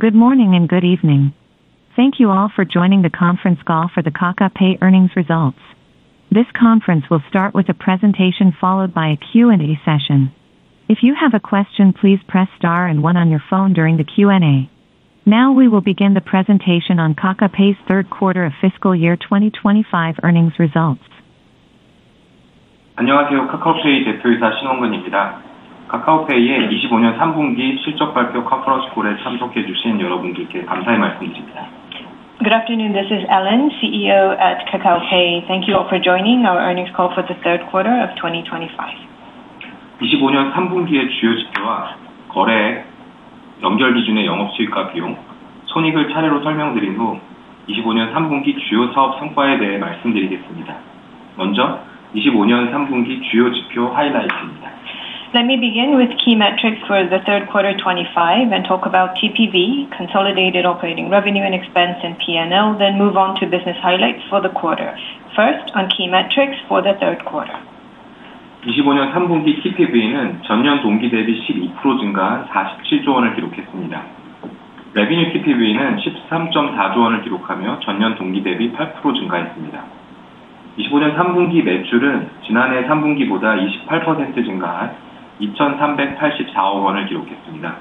Good morning and good evening. Thank you all for joining the conference call for the Kakao Pay earnings results. This conference will start with a presentation followed by a Q&A session. If you have a question, please press star and one on your phone during the Q&A. Now we will begin the presentation on Kakao Pay's third quarter of fiscal year 2025 earnings results. 안녕하세요. 카카오페이 대표이사 신홍근입니다. 카카오페이의 2025년 3분기 실적 발표 컨퍼런스 콜에 참석해 주신 여러분들께 감사의 말씀드립니다. Good afternoon. This is Ellen, CEO at Kakao Pay. Thank you all for joining our earnings call for the third quarter of 2025. 2025년 3분기의 주요 지표와 거래액, 연결 기준의 영업 수익과 비용, 손익을 차례로 설명드린 후 2025년 3분기 주요 사업 성과에 대해 말씀드리겠습니다. 먼저 2025년 3분기 주요 지표 하이라이트입니다. Let me begin with key metrics for the third quarter '25 and talk about TPV, Consolidated Operating Revenue and Expense, and P&L, then move on to business highlights for the quarter. First, on key metrics for the third quarter. 2025년 3분기 TPV는 전년 동기 대비 12% 증가한 47조 원을 기록했습니다. Revenue TPV는 13.4조 원을 기록하며 전년 동기 대비 8% 증가했습니다. 2025년 3분기 매출은 지난해 3분기보다 28% 증가한 2,384억 원을 기록했습니다.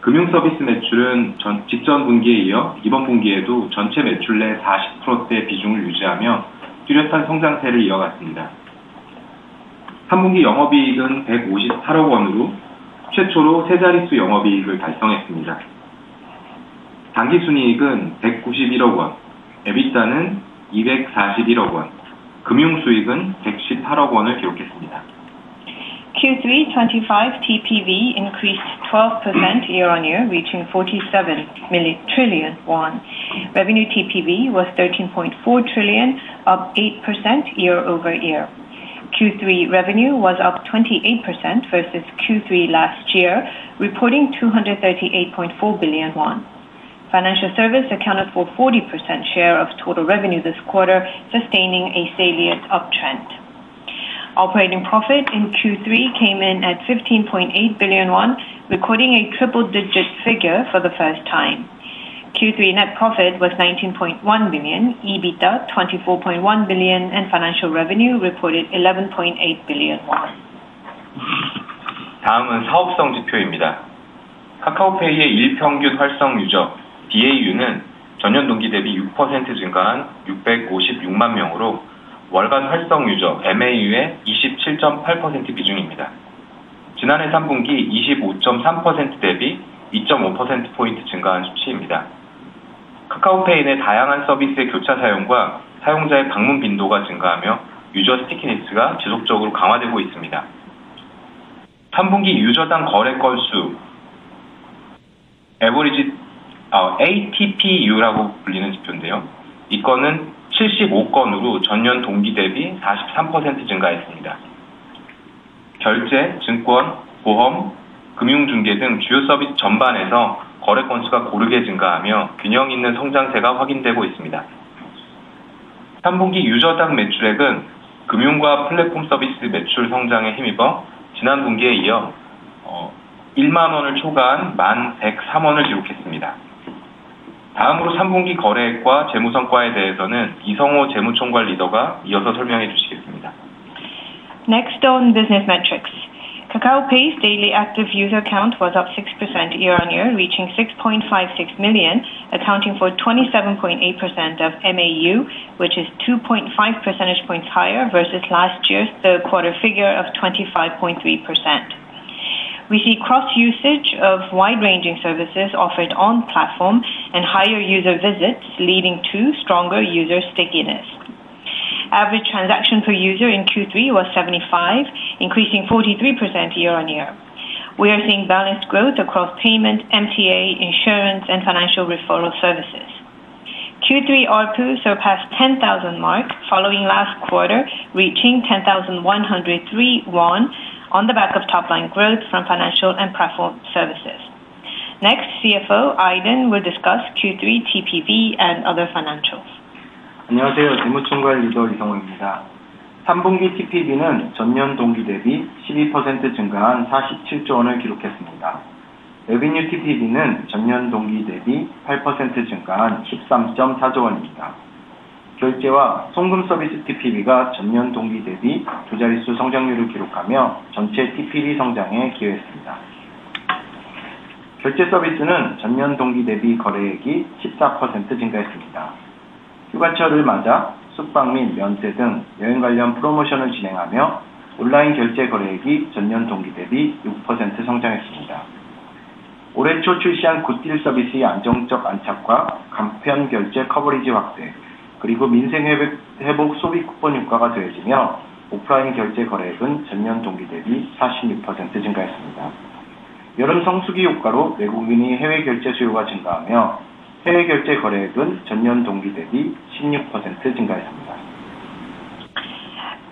금융 서비스 매출은 직전 분기에 이어 이번 분기에도 전체 매출 내 40%의 비중을 유지하며 뚜렷한 성장세를 이어갔습니다. 3분기 영업이익은 158억 원으로 최초로 세 자릿수 영업이익을 달성했습니다. 당기순이익은 191억 원, EBITDA는 241억 원, 금융 수익은 118억 원을 기록했습니다. Q3 '25 TPV increased 12% year-on-year, reaching ₩47 trillion. Revenue TPV was ₩13.4 trillion, up 8% year-over-year. Q3 revenue was up 28% versus Q3 last year, reporting ₩238.4 billion. Financial Service accounted for 40% share of total revenue this quarter, sustaining a salient uptrend. Operating profit in Q3 came in at ₩15.8 billion, recording a triple-digit figure for the first time. Q3 net profit was ₩19.1 billion, EBITDA ₩24.1 billion, and financial revenue reported ₩11.8 billion. 다음은 사업성 지표입니다. 카카오페이의 일평균 활성 유저 DAU는 전년 동기 대비 6% 증가한 656만 명으로 월간 활성 유저 MAU의 27.8% 비중입니다. 지난해 3분기 25.3% 대비 2.5%포인트 증가한 수치입니다. 카카오페이 내 다양한 서비스의 교차 사용과 사용자의 방문 빈도가 증가하며 유저 스티키니스가 지속적으로 강화되고 있습니다. 3분기 유저당 거래 건수 Average ATPU라고 불리는 지표인데요, 이 건은 75건으로 전년 동기 대비 43% 증가했습니다. 결제, 증권, 보험, 금융 중개 등 주요 서비스 전반에서 거래 건수가 고르게 증가하며 균형 있는 성장세가 확인되고 있습니다. 3분기 유저당 매출액은 금융과 플랫폼 서비스 매출 성장에 힘입어 지난 분기에 이어 ₩10,000을 초과한 ₩10,103을 기록했습니다. 다음으로 3분기 거래액과 재무 성과에 대해서는 이성호 재무총괄 리더가 이어서 설명해 주시겠습니다. Next, on business metrics. Kakao Pay's daily active user count was up 6% year-on-year, reaching 6.56 million, accounting for 27.8% of MAU, which is 2.5 percentage points higher versus last year's third quarter figure of 25.3%. We see cross-usage of wide-ranging services offered on the platform and higher user visits, leading to stronger user stickiness. Average transaction per user in Q3 was 75, increasing 43% year-on-year. We are seeing balanced growth across payment, MTA, insurance, and financial referral services. Q3 RPU surpassed ₩10,000 mark following last quarter, reaching ₩10,103 on the back of top-line growth from financial and platform services. Next, CFO Aidan will discuss Q3 TPV and other financials. 안녕하세요. 재무총괄 리더 이성호입니다. 3분기 TPV는 전년 동기 대비 12% 증가한 47조 원을 기록했습니다. Revenue TPV는 전년 동기 대비 8% 증가한 13.4조 원입니다. 결제와 송금 서비스 TPV가 전년 동기 대비 두 자릿수 성장률을 기록하며 전체 TPV 성장에 기여했습니다. 결제 서비스는 전년 동기 대비 거래액이 14% 증가했습니다. 휴가철을 맞아 숙박 및 면세 등 여행 관련 프로모션을 진행하며 온라인 결제 거래액이 전년 동기 대비 6% 성장했습니다. 올해 초 출시한 굿딜 서비스의 안정적 안착과 간편 결제 커버리지 확대, 그리고 민생 회복 소비 쿠폰 효과가 더해지며 오프라인 결제 거래액은 전년 동기 대비 46% 증가했습니다. 여름 성수기 효과로 외국인 해외 결제 수요가 증가하며 해외 결제 거래액은 전년 동기 대비 16% 증가했습니다.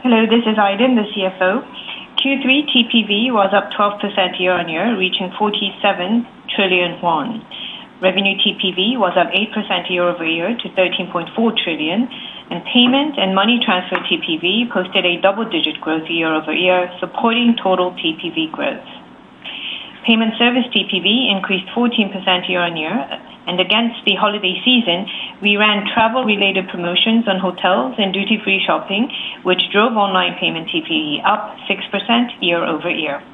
Hello, this is Aidan, the CFO. Q3 TPV was up 12% year-on-year, reaching ₩47 trillion. Revenue TPV was up 8% year-over-year to ₩13.4 trillion, and payment and money transfer TPV posted double-digit growth year-over-year, supporting total TPV growth. Payment service TPV increased 14% year-on-year, and against the holiday season, we ran travel-related promotions on hotels and duty-free shopping, which drove online payment TPV up 6% year-over-year. As Good Deal service, which we launched early this year, took its footing in the market and on expanded coverage for digital payment and the use of government's cash coupons, offline payment TPV increased 46% year-on-year. During summer high season, demand for cross-border payment by outbound tourists increased, driving cross-border TPV up 16% year-on-year.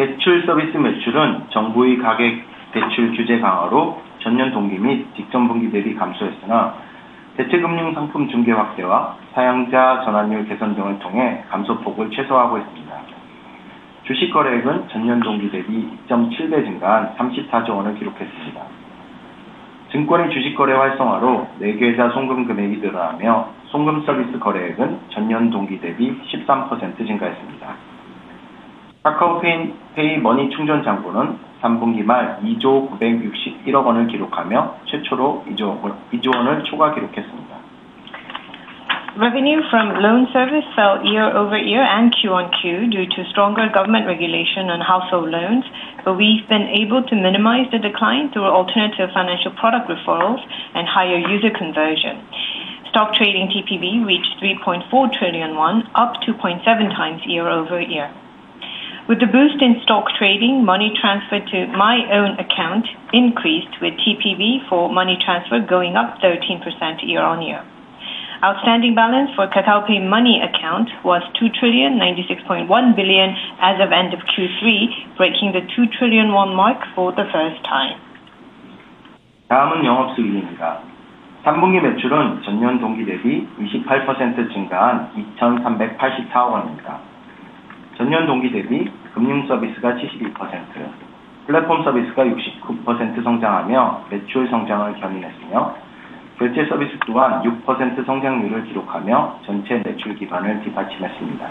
대출 서비스 매출은 정부의 가계 대출 규제 강화로 전년 동기 및 직전 분기 대비 감소했으나, 대체 금융 상품 중개 확대와 사용자 전환율 개선 등을 통해 감소 폭을 최소화하고 있습니다. 주식 거래액은 전년 동기 대비 2.7배 증가한 ₩34조를 기록했습니다. 증권의 주식 거래 활성화로 매개자 송금 금액이 늘어나며 송금 서비스 거래액은 전년 동기 대비 13% 증가했습니다. 카카오페이 머니 충전 잔고는 3분기 말 ₩2조 961억을 기록하며 최초로 ₩2조를 초과 기록했습니다. Revenue from loan service fell year-over-year and quarter-on-quarter due to stronger government regulation on household loans, but we've been able to minimize the decline through alternative financial product referrals and higher user conversion. Stock trading TPV reached ₩3.4 trillion, up 2.7 times year-over-year. With the boost in stock trading, money transfer to my own account increased, with TPV for money transfer going up 13% year-over-year. Outstanding balance for Kakao Pay money account was ₩2.096 trillion as of end of Q3, breaking the ₩2 trillion mark for the first time. 다음은 영업 수익입니다. 3분기 매출은 전년 동기 대비 28% 증가한 2,384억 원입니다. 전년 동기 대비 금융 서비스가 72%, 플랫폼 서비스가 69% 성장하며 매출 성장을 견인했으며, 결제 서비스 또한 6% 성장률을 기록하며 전체 매출 기반을 뒷받침했습니다.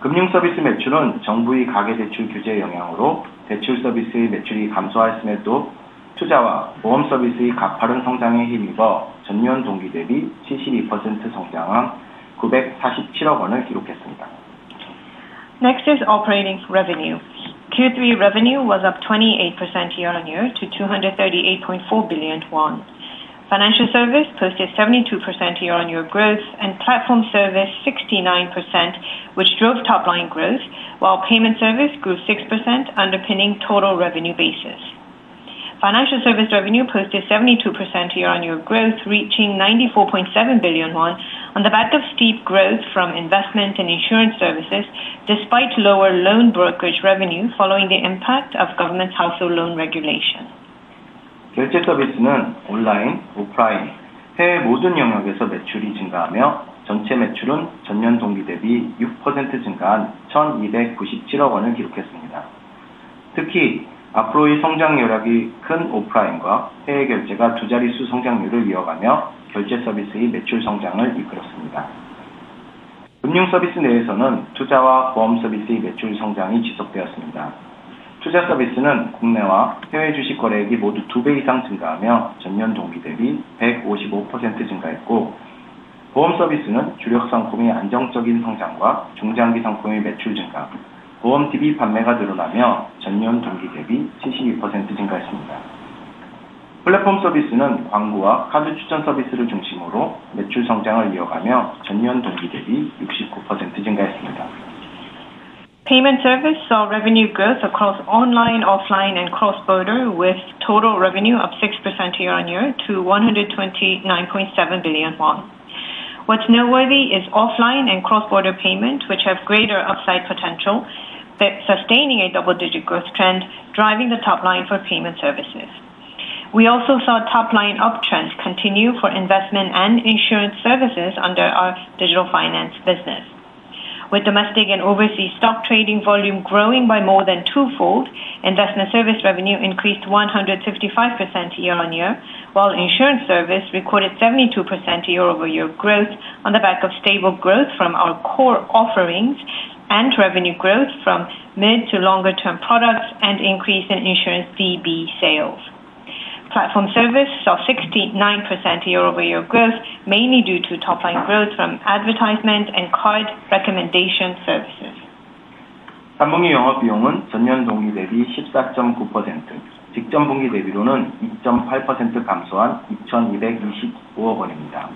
금융 서비스 매출은 정부의 가계 대출 규제 영향으로 대출 서비스의 매출이 감소하였음에도 투자와 보험 서비스의 가파른 성장에 힘입어 전년 동기 대비 72% 성장한 947억 원을 기록했습니다. Next is operating revenue. Q3 revenue was up 28% year-on-year to ₩238.4 billion. Financial service posted 72% year-on-year growth and platform service 69%, which drove top-line growth, while payment service grew 6%, underpinning total revenue basis. Financial service revenue posted 72% year-on-year growth, reaching ₩94.7 billion on the back of steep growth from investment and insurance services, despite lower loan brokerage revenue following the impact of government's household loan regulation. 결제 서비스는 온라인, 오프라인, 해외 모든 영역에서 매출이 증가하며 전체 매출은 전년 동기 대비 6% 증가한 1,297억 원을 기록했습니다. 특히 앞으로의 성장 여력이 큰 오프라인과 해외 결제가 두 자릿수 성장률을 이어가며 결제 서비스의 매출 성장을 이끌었습니다. 금융 서비스 내에서는 투자와 보험 서비스의 매출 성장이 지속되었습니다. 투자 서비스는 국내와 해외 주식 거래액이 모두 2배 이상 증가하며 전년 동기 대비 155% 증가했고, 보험 서비스는 주력 상품의 안정적인 성장과 중장기 상품의 매출 증가, 보험 DB 판매가 늘어나며 전년 동기 대비 72% 증가했습니다. 플랫폼 서비스는 광고와 카드 추천 서비스를 중심으로 매출 성장을 이어가며 전년 동기 대비 69% 증가했습니다. Payment service saw revenue growth across online, offline, and cross-border, with total revenue up 6% year-on-year to ₩129.7 billion. What's noteworthy is offline and cross-border payment, which have greater upside potential, sustaining a double-digit growth trend, driving the top line for payment services. We also saw top line uptrends continue for investment and insurance services under our digital finance business. With domestic and overseas stock trading volume growing by more than twofold, investment service revenue increased 155% year-on-year, while insurance service recorded 72% year-over-year growth on the back of stable growth from our core offerings and revenue growth from mid to longer-term products and increase in insurance DB sales. Platform service saw 69% year-over-year growth, mainly due to top line growth from advertisement and card recommendation services. 3분기 영업 비용은 전년 동기 대비 14.9%, 직전 분기 대비로는 2.8% 감소한 2,229억 원입니다.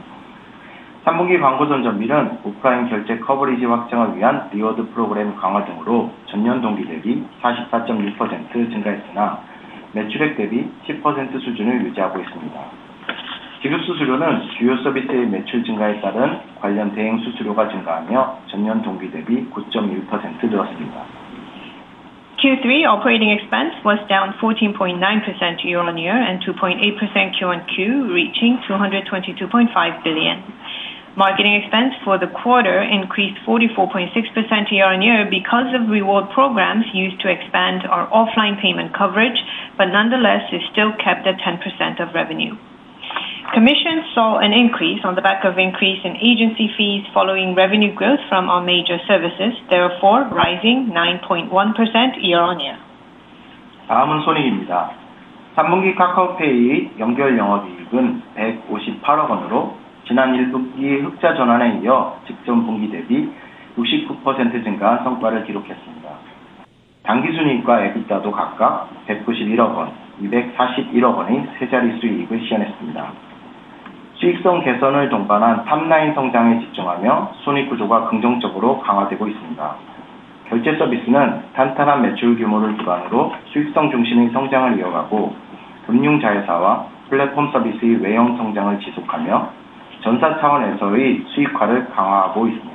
3분기 광고 전 전비는 오프라인 결제 커버리지 확장을 위한 리워드 프로그램 강화 등으로 전년 동기 대비 44.6% 증가했으나, 매출액 대비 10% 수준을 유지하고 있습니다. 지급 수수료는 주요 서비스의 매출 증가에 따른 관련 대행 수수료가 증가하며 전년 동기 대비 9.1% 늘었습니다. Q3 operating expense was down 14.9% year-on-year and 2.8% quarter-on-quarter, reaching $222.5 billion. Marketing expense for the quarter increased 44.6% year-on-year because of reward programs used to expand our offline payment coverage, but nonetheless is still kept at 10% of revenue. Commissions saw an increase on the back of increase in agency fees following revenue growth from our major services, therefore rising 9.1% year-on-year. 다음은 손익입니다. 3분기 카카오페이의 연결 영업이익은 158억 원으로 지난 1분기 흑자 전환에 이어 직전 분기 대비 69% 증가한 성과를 기록했습니다. 당기 순이익과 EBITDA도 각각 191억 원, 241억 원의 세 자릿수 이익을 실현했습니다. 수익성 개선을 동반한 탑라인 성장에 집중하며 손익 구조가 긍정적으로 강화되고 있습니다. 결제 서비스는 탄탄한 매출 규모를 기반으로 수익성 중심의 성장을 이어가고 금융 자회사와 플랫폼 서비스의 외형 성장을 지속하며 전사 차원에서의 수익화를 강화하고 있습니다.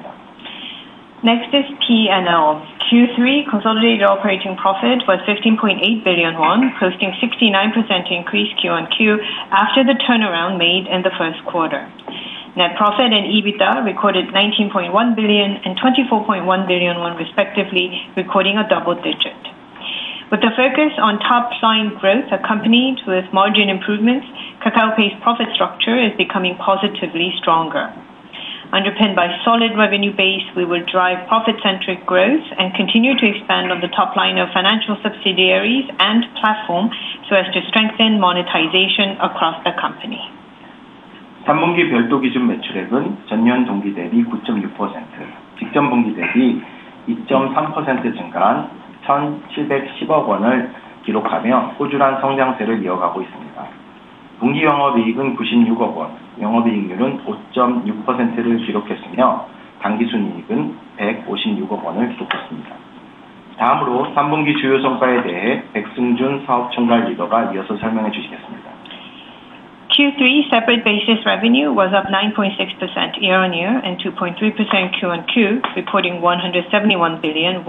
Next, as P&L, Q3 consolidated operating profit was ₩15.8 billion, posting 69% increase Q on Q after the turnaround made in the first quarter. Net profit and EBITDA recorded ₩19.1 billion and ₩24.1 billion, respectively, recording a double digit. With the focus on top line growth accompanied with margin improvements, Kakao Pay's profit structure is becoming positively stronger. Underpinned by solid revenue base, we will drive profit-centric growth and continue to expand on the top line of financial subsidiaries and platform so as to strengthen monetization across the company. 3분기 별도 기준 매출액은 전년 동기 대비 9.6%, 직전 분기 대비 2.3% 증가한 1,710억 원을 기록하며 꾸준한 성장세를 이어가고 있습니다. 분기 영업이익은 96억 원, 영업이익률은 5.6%를 기록했으며, 당기순이익은 156억 원을 기록했습니다. 다음으로 3분기 주요 성과에 대해 백승준 사업총괄 리더가 이어서 설명해 주시겠습니다. Q3 separate basis revenue was up 9.6% year-on-year and 2.3% quarter-on-quarter, reporting ₩171 billion,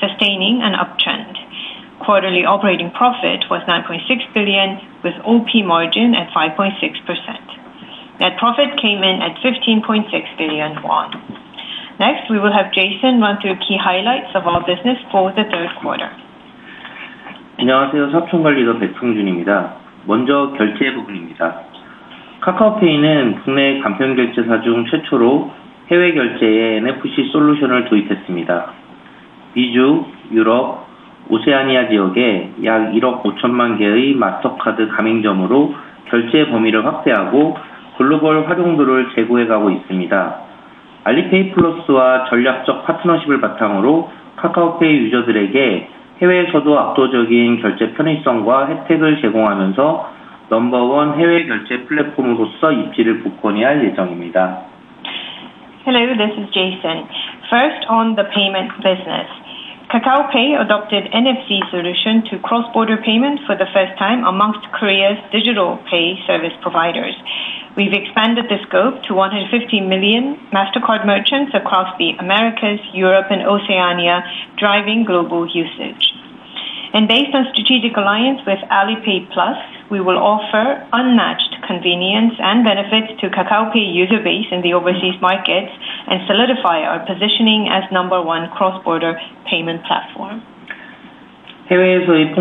sustaining an uptrend. Quarterly operating profit was ₩9.6 billion, with OP margin at 5.6%. Net profit came in at ₩15.6 billion. Next, we will have Jason run through key highlights of our business for the third quarter. 안녕하세요. 사업 총괄 리더 백승준입니다. 먼저 결제 부분입니다. 카카오페이는 국내 간편 결제사 중 최초로 해외 결제에 NFC 솔루션을 도입했습니다. 미주, 유럽, 오세아니아 지역에 약 1억 5천만 개의 마스터카드 가맹점으로 결제 범위를 확대하고 글로벌 활용도를 제고해 가고 있습니다. 알리페이 플러스와 전략적 파트너십을 바탕으로 카카오페이 유저들에게 해외에서도 압도적인 결제 편의성과 혜택을 제공하면서 넘버원 해외 결제 플랫폼으로서 입지를 굳건히 할 예정입니다. Hello, this is Jason. First on the payment business. Kakao Pay adopted NFC solution to cross-border payment for the first time amongst Korea's digital pay service providers. We've expanded the scope to 150 million Mastercard merchants across the Americas, Europe, and Oceania, driving global usage. Based on strategic alliance with Alipay Plus, we will offer unmatched convenience and benefits to Kakao Pay user base in the overseas markets and solidify our positioning as number one cross-border payment platform. 해외에서의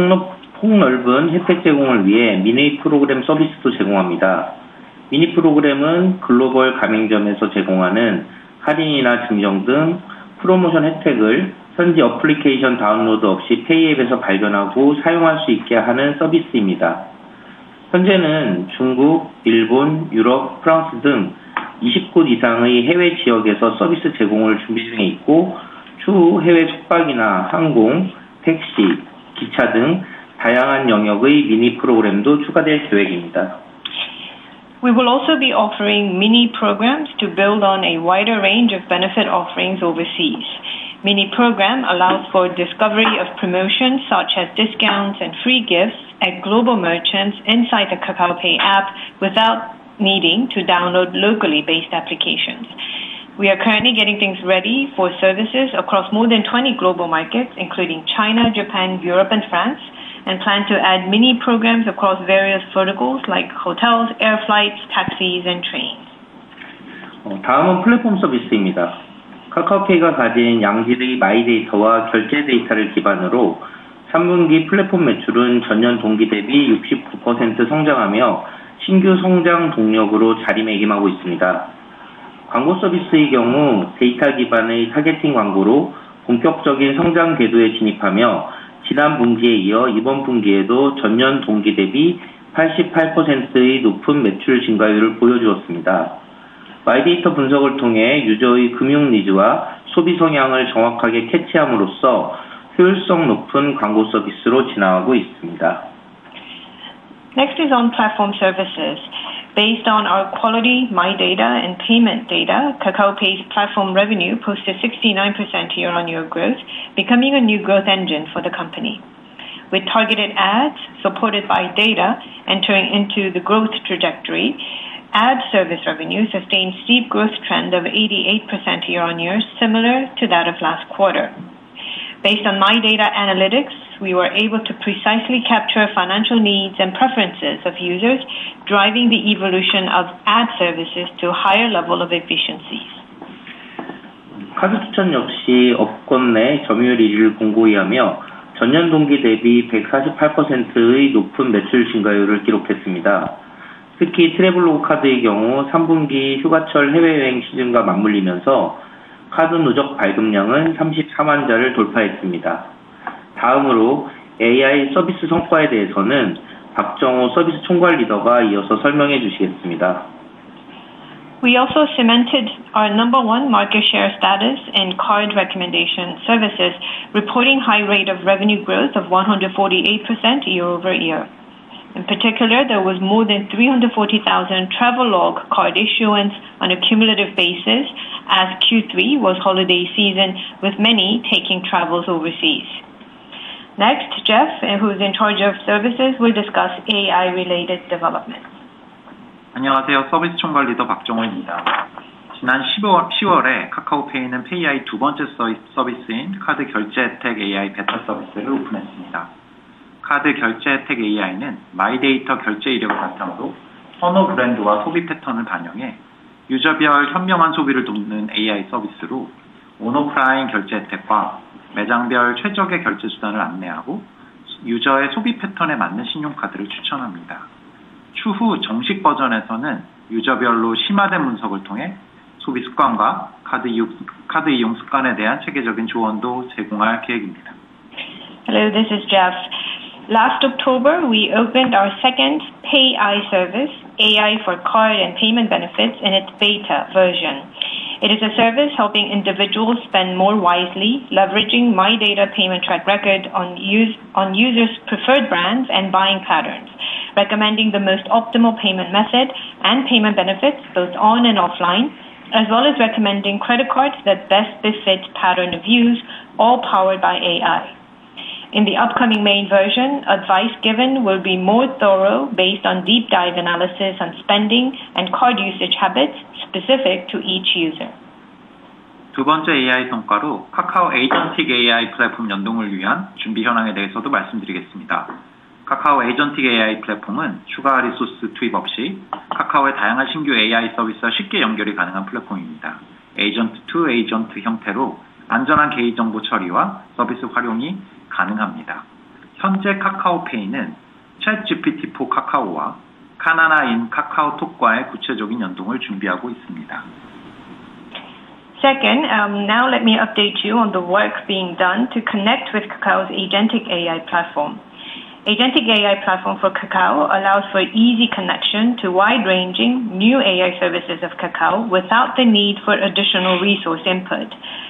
폭넓은 혜택 제공을 위해 미니 프로그램 서비스도 제공합니다. 미니 프로그램은 글로벌 가맹점에서 제공하는 할인이나 증정 등 프로모션 혜택을 현지 애플리케이션 다운로드 없이 페이 앱에서 발견하고 사용할 수 있게 하는 서비스입니다. 현재는 중국, 일본, 유럽, 프랑스 등 20곳 이상의 해외 지역에서 서비스 제공을 준비 중에 있고, 추후 해외 숙박이나 항공, 택시, 기차 등 다양한 영역의 미니 프로그램도 추가될 계획입니다. We will also be offering mini programs to build on a wider range of benefit offerings overseas. Mini programs allow for discovery of promotions such as discounts and free gifts at global merchants inside the Kakao Pay app without needing to download locally based applications. We are currently getting things ready for services across more than 20 global markets, including China, Japan, Europe, and France, and plan to add mini programs across various verticals like hotels, flights, taxis, and trains. 다음은 플랫폼 서비스입니다. 카카오페이가 가진 양질의 마이 데이터와 결제 데이터를 기반으로 3분기 플랫폼 매출은 전년 동기 대비 69% 성장하며 신규 성장 동력으로 자리매김하고 있습니다. 광고 서비스의 경우 데이터 기반의 타겟팅 광고로 본격적인 성장 궤도에 진입하며 지난 분기에 이어 이번 분기에도 전년 동기 대비 88%의 높은 매출 증가율을 보여주었습니다. 마이 데이터 분석을 통해 유저의 금융 니즈와 소비 성향을 정확하게 캐치함으로써 효율성 높은 광고 서비스로 진화하고 있습니다. Next is on platform services. Based on our quality, my data, and payment data, Kakao Pay's platform revenue posted 69% year-on-year growth, becoming a new growth engine for the company. With targeted ads supported by data entering into the growth trajectory, ad service revenue sustained steep growth trend of 88% year-on-year, similar to that of last quarter. Based on my data analytics, we were able to precisely capture financial needs and preferences of users, driving the evolution of ad services to a higher level of efficiency. 카드 추천 역시 업권 내 점유율 1위를 공고히 하며 전년 동기 대비 148%의 높은 매출 증가율을 기록했습니다. 특히 트래블로그 카드의 경우 3분기 휴가철 해외 여행 시즌과 맞물리면서 카드 누적 발급량은 34만 장을 돌파했습니다. 다음으로 AI 서비스 성과에 대해서는 박정호 서비스 총괄 리더가 이어서 설명해 주시겠습니다. We also cemented our number one market share status in card recommendation services, reporting high rate of revenue growth of 148% year-over-year. In particular, there was more than 340,000 travel log card issuance on a cumulative basis as Q3 was holiday season, with many taking travels overseas. Next, Jeff, who is in charge of services, will discuss AI-related developments. 안녕하세요. 서비스 총괄 리더 박정호입니다. 지난 10월에 카카오페이는 페이AI 두 번째 서비스인 카드 결제 혜택 AI 베타 서비스를 오픈했습니다. 카드 결제 혜택 AI는 마이 데이터 결제 이력을 바탕으로 선호 브랜드와 소비 패턴을 반영해 유저별 현명한 소비를 돕는 AI 서비스로 온오프라인 결제 혜택과 매장별 최적의 결제 수단을 안내하고 유저의 소비 패턴에 맞는 신용카드를 추천합니다. 추후 정식 버전에서는 유저별로 심화된 분석을 통해 소비 습관과 카드 이용 습관에 대한 체계적인 조언도 제공할 계획입니다. Hello, this is Jeff. Last October, we opened our second Payi service, AI for card and payment benefits in its beta version. It is a service helping individuals spend more wisely, leveraging my data payment track record on users' preferred brands and buying patterns, recommending the most optimal payment method and payment benefits both online and offline, as well as recommending credit cards that best befit pattern of use, all powered by AI. In the upcoming main version, advice given will be more thorough based on deep dive analysis on spending and card usage habits specific to each user. 두 번째 AI 성과로 카카오 에이전틱 AI 플랫폼 연동을 위한 준비 현황에 대해서도 말씀드리겠습니다. 카카오 에이전틱 AI 플랫폼은 추가 리소스 투입 없이 카카오의 다양한 신규 AI 서비스와 쉽게 연결이 가능한 플랫폼입니다. 에이전트 투 에이전트 형태로 안전한 개인 정보 처리와 서비스 활용이 가능합니다. 현재 카카오페이는 ChatGPT for Kakao와 카나나인 카카오톡과의 구체적인 연동을 준비하고 있습니다. Second, now let me update you on the work being done to connect with Kakao's agentic AI platform. Agentic AI platform for Kakao allows for easy connection to wide-ranging new AI services of Kakao without the need for additional resource input. The configuration is agent to agent, ensuring secure privacy and service usage. Right now, Kakao Pay is making preparations to specifically connect with ChatGPT for Kakao and Kanaana in KakaoTalk.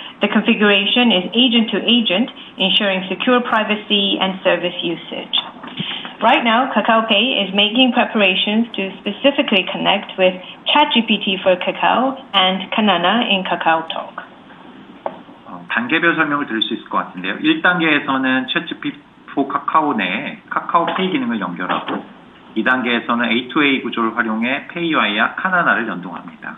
단계별 설명을 드릴 수 있을 것 같은데요. 1단계에서는 챗GPT for Kakao 내에 카카오페이 기능을 연결하고, 2단계에서는 A2A 구조를 활용해 페이와 카나나를 연동합니다.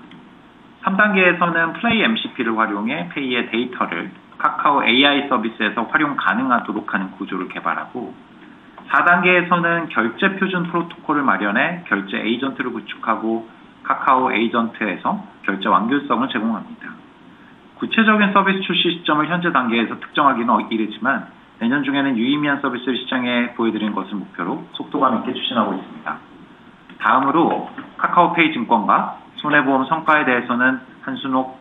3단계에서는 플레이 MCP를 활용해 페이의 데이터를 카카오 AI 서비스에서 활용 가능하도록 하는 구조를 개발하고, 4단계에서는 결제 표준 프로토콜을 마련해 결제 에이전트를 구축하고 카카오 에이전트에서 결제 완결성을 제공합니다. 구체적인 서비스 출시 시점을 현재 단계에서 특정하기는 이르지만 내년 중에는 유의미한 서비스를 시장에 보여드리는 것을 목표로 속도감 있게 추진하고 있습니다. 다음으로 카카오페이 증권과 손해보험 성과에 대해서는 한순옥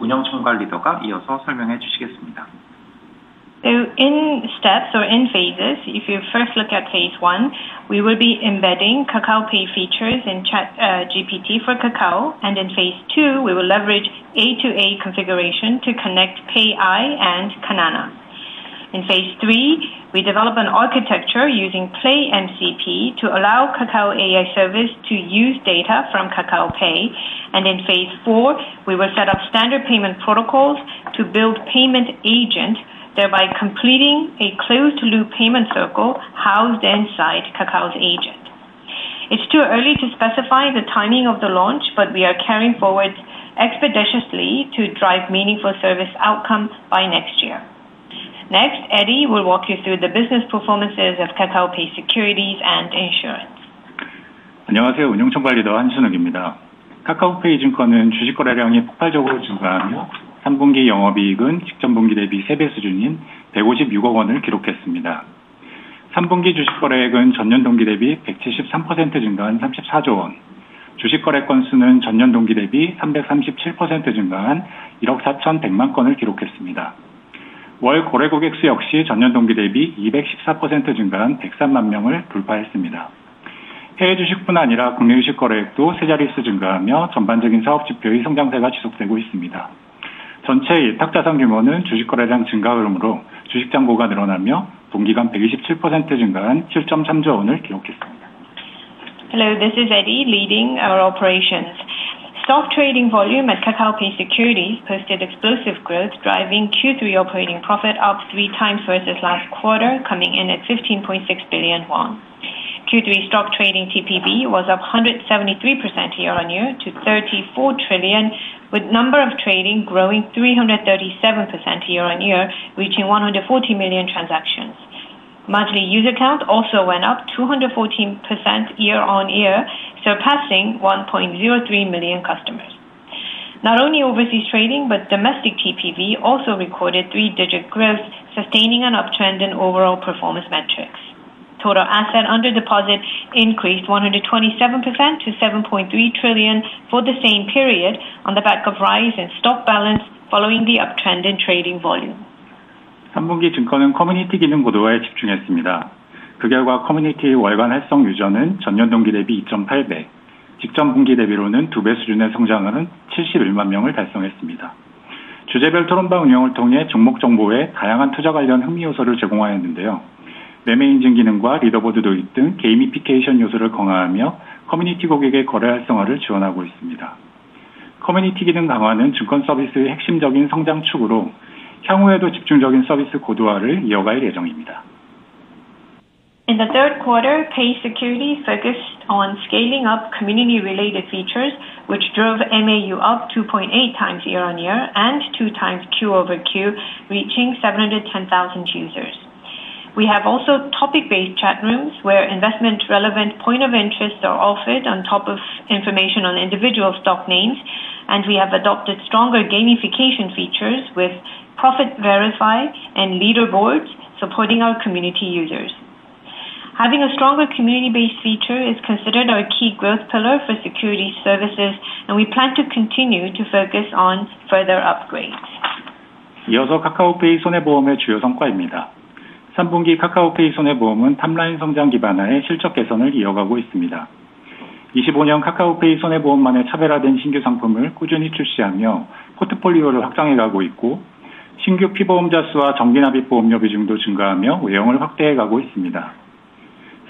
운영 총괄 리더가 이어서 설명해 주시겠습니다. In steps or in phases, if you first look at phase one, we will be embedding KakaoPay features in ChatGPT for Kakao, and in phase two, we will leverage A2A configuration to connect Payi and Kanaana. In phase three, we develop an architecture using Play MCP to allow Kakao AI service to use data from KakaoPay, and in phase four, we will set up standard payment protocols to build payment agents, thereby completing a closed-loop payment circle housed inside Kakao's agent. It's too early to specify the timing of the launch, but we are carrying forward expeditiously to drive meaningful service outcomes by next year. Next, Eddie will walk you through the business performances of KakaoPay securities and insurance. 안녕하세요. 운영 총괄 리더 한순옥입니다. 카카오페이 증권은 주식 거래량이 폭발적으로 증가하며 3분기 영업 이익은 직전 분기 대비 3배 수준인 ₩156억을 기록했습니다. 3분기 주식 거래액은 전년 동기 대비 173% 증가한 ₩34조, 주식 거래 건수는 전년 동기 대비 337% 증가한 1억 4,100만 건을 기록했습니다. 월 거래 고객 수 역시 전년 동기 대비 214% 증가한 103만 명을 돌파했습니다. 해외 주식뿐 아니라 국내 주식 거래액도 세 자릿수 증가하며 전반적인 사업 지표의 성장세가 지속되고 있습니다. 전체 예탁 자산 규모는 주식 거래량 증가 흐름으로 주식 잔고가 늘어나며 동기간 127% 증가한 ₩7.3조를 기록했습니다. Hello, this is Eddie leading our operations. Stock trading volume at KakaoPay Securities posted explosive growth, driving Q3 operating profit up three times versus last quarter, coming in at ₩15.6 billion. Q3 stock trading TPV was up 173% year-on-year to ₩34 trillion, with number of trading growing 337% year-on-year, reaching 140 million transactions. Monthly user count also went up 214% year-on-year, surpassing 1.03 million customers. Not only overseas trading, but domestic TPV also recorded three-digit growth, sustaining an uptrend in overall performance metrics. Total assets under deposit increased 127% to ₩7.3 trillion for the same period on the back of rise in stock balance following the uptrend in trading volume. 3분기 증권은 커뮤니티 기능 고도화에 집중했습니다. 그 결과 커뮤니티의 월간 활성 유저는 전년 동기 대비 2.8배, 직전 분기 대비로는 2배 수준의 성장으로 71만 명을 달성했습니다. 주제별 토론방 운영을 통해 종목 정보에 다양한 투자 관련 흥미 요소를 제공하였는데요. 매매 인증 기능과 리더보드 도입 등 게이미피케이션 요소를 강화하며 커뮤니티 고객의 거래 활성화를 지원하고 있습니다. 커뮤니티 기능 강화는 증권 서비스의 핵심적인 성장 축으로 향후에도 집중적인 서비스 고도화를 이어갈 예정입니다. In the third quarter, Pay security focused on scaling up community-related features, which drove MAU up 2.8 times year-over-year and 2 times quarter over quarter, reaching 710,000 users. We have also topic-based chat rooms where investment-relevant points of interest are offered on top of information on individual stock names, and we have adopted stronger gamification features with Profit Verify and Leaderboards supporting our community users. Having a stronger community-based feature is considered our key growth pillar for security services, and we plan to continue to focus on further upgrades. 이어서 카카오페이 손해보험의 주요 성과입니다. 3분기 카카오페이 손해보험은 탑라인 성장 기반 하에 실적 개선을 이어가고 있습니다. 2025년 카카오페이 손해보험만의 차별화된 신규 상품을 꾸준히 출시하며 포트폴리오를 확장해 가고 있고, 신규 피보험자 수와 정기 납입 보험료 비중도 증가하며 외형을 확대해 가고 있습니다.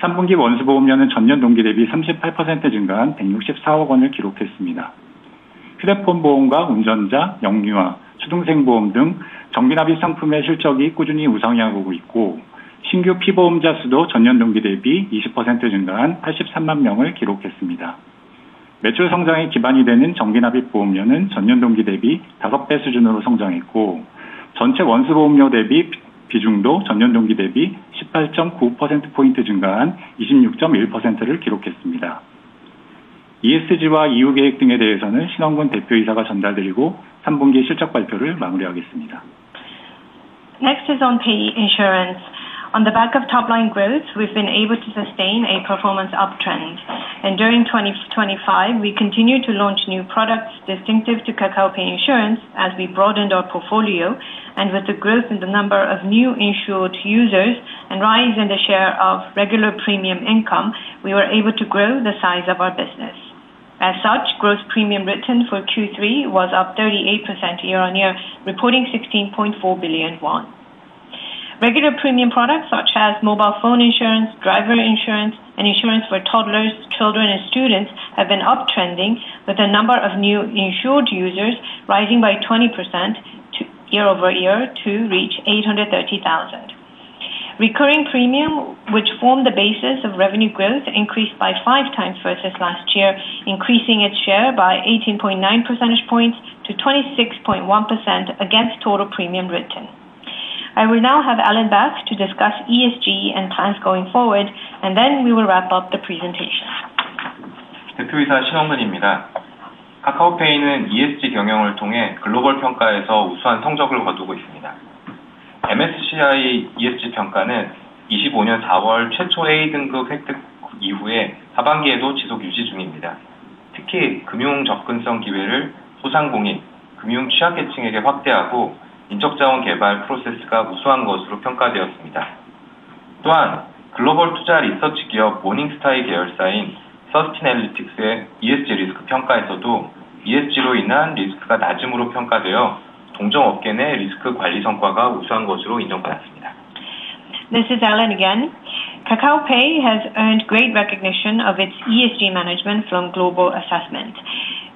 3분기 원수 보험료는 전년 동기 대비 38% 증가한 164억 원을 기록했습니다. 휴대폰 보험과 운전자, 영유아, 초등생 보험 등 정기 납입 상품의 실적이 꾸준히 우상향하고 있고, 신규 피보험자 수도 전년 동기 대비 20% 증가한 83만 명을 기록했습니다. 매출 성장의 기반이 되는 정기 납입 보험료는 전년 동기 대비 5배 수준으로 성장했고, 전체 원수 보험료 대비 비중도 전년 동기 대비 18.9%포인트 증가한 26.1%를 기록했습니다. ESG와 EU 계획 등에 대해서는 신원군 대표이사가 전달드리고 3분기 실적 발표를 마무리하겠습니다. Next is on Pay insurance. On the back of top-line growth, we've been able to sustain a performance uptrend. During 2025, we continue to launch new products distinctive to KakaoPay insurance as we broadened our portfolio, and with the growth in the number of new insured users and rise in the share of regular premium income, we were able to grow the size of our business. As such, gross premium written for Q3 was up 38% year-over-year, reporting ₩16.4 billion. Regular premium products such as mobile phone insurance, driver insurance, and insurance for toddlers, children, and students have been uptrending, with the number of new insured users rising by 20% year-over-year to reach 830,000. Recurring premium, which formed the basis of revenue growth, increased by five times versus last year, increasing its share by 18.9 percentage points to 26.1% against total premium written. I will now have Alan Bath discuss ESG and plans going forward, and then we will wrap up the presentation. 대표이사 신원군입니다. 카카오페이는 ESG 경영을 통해 글로벌 평가에서 우수한 성적을 거두고 있습니다. MSCI ESG 평가는 2025년 4월 최초 A등급 획득 이후에 하반기에도 지속 유지 중입니다. 특히 금융 접근성 기회를 소상공인, 금융 취약 계층에게 확대하고 인적 자원 개발 프로세스가 우수한 것으로 평가되었습니다. 또한 글로벌 투자 리서치 기업 모닝스타의 계열사인 서스틴 애널리틱스의 ESG 리스크 평가에서도 ESG로 인한 리스크가 낮음으로 평가되어 동종 업계 내 리스크 관리 성과가 우수한 것으로 인정받았습니다. This is Alan again. KakaoPay has earned great recognition of its ESG management from global assessment.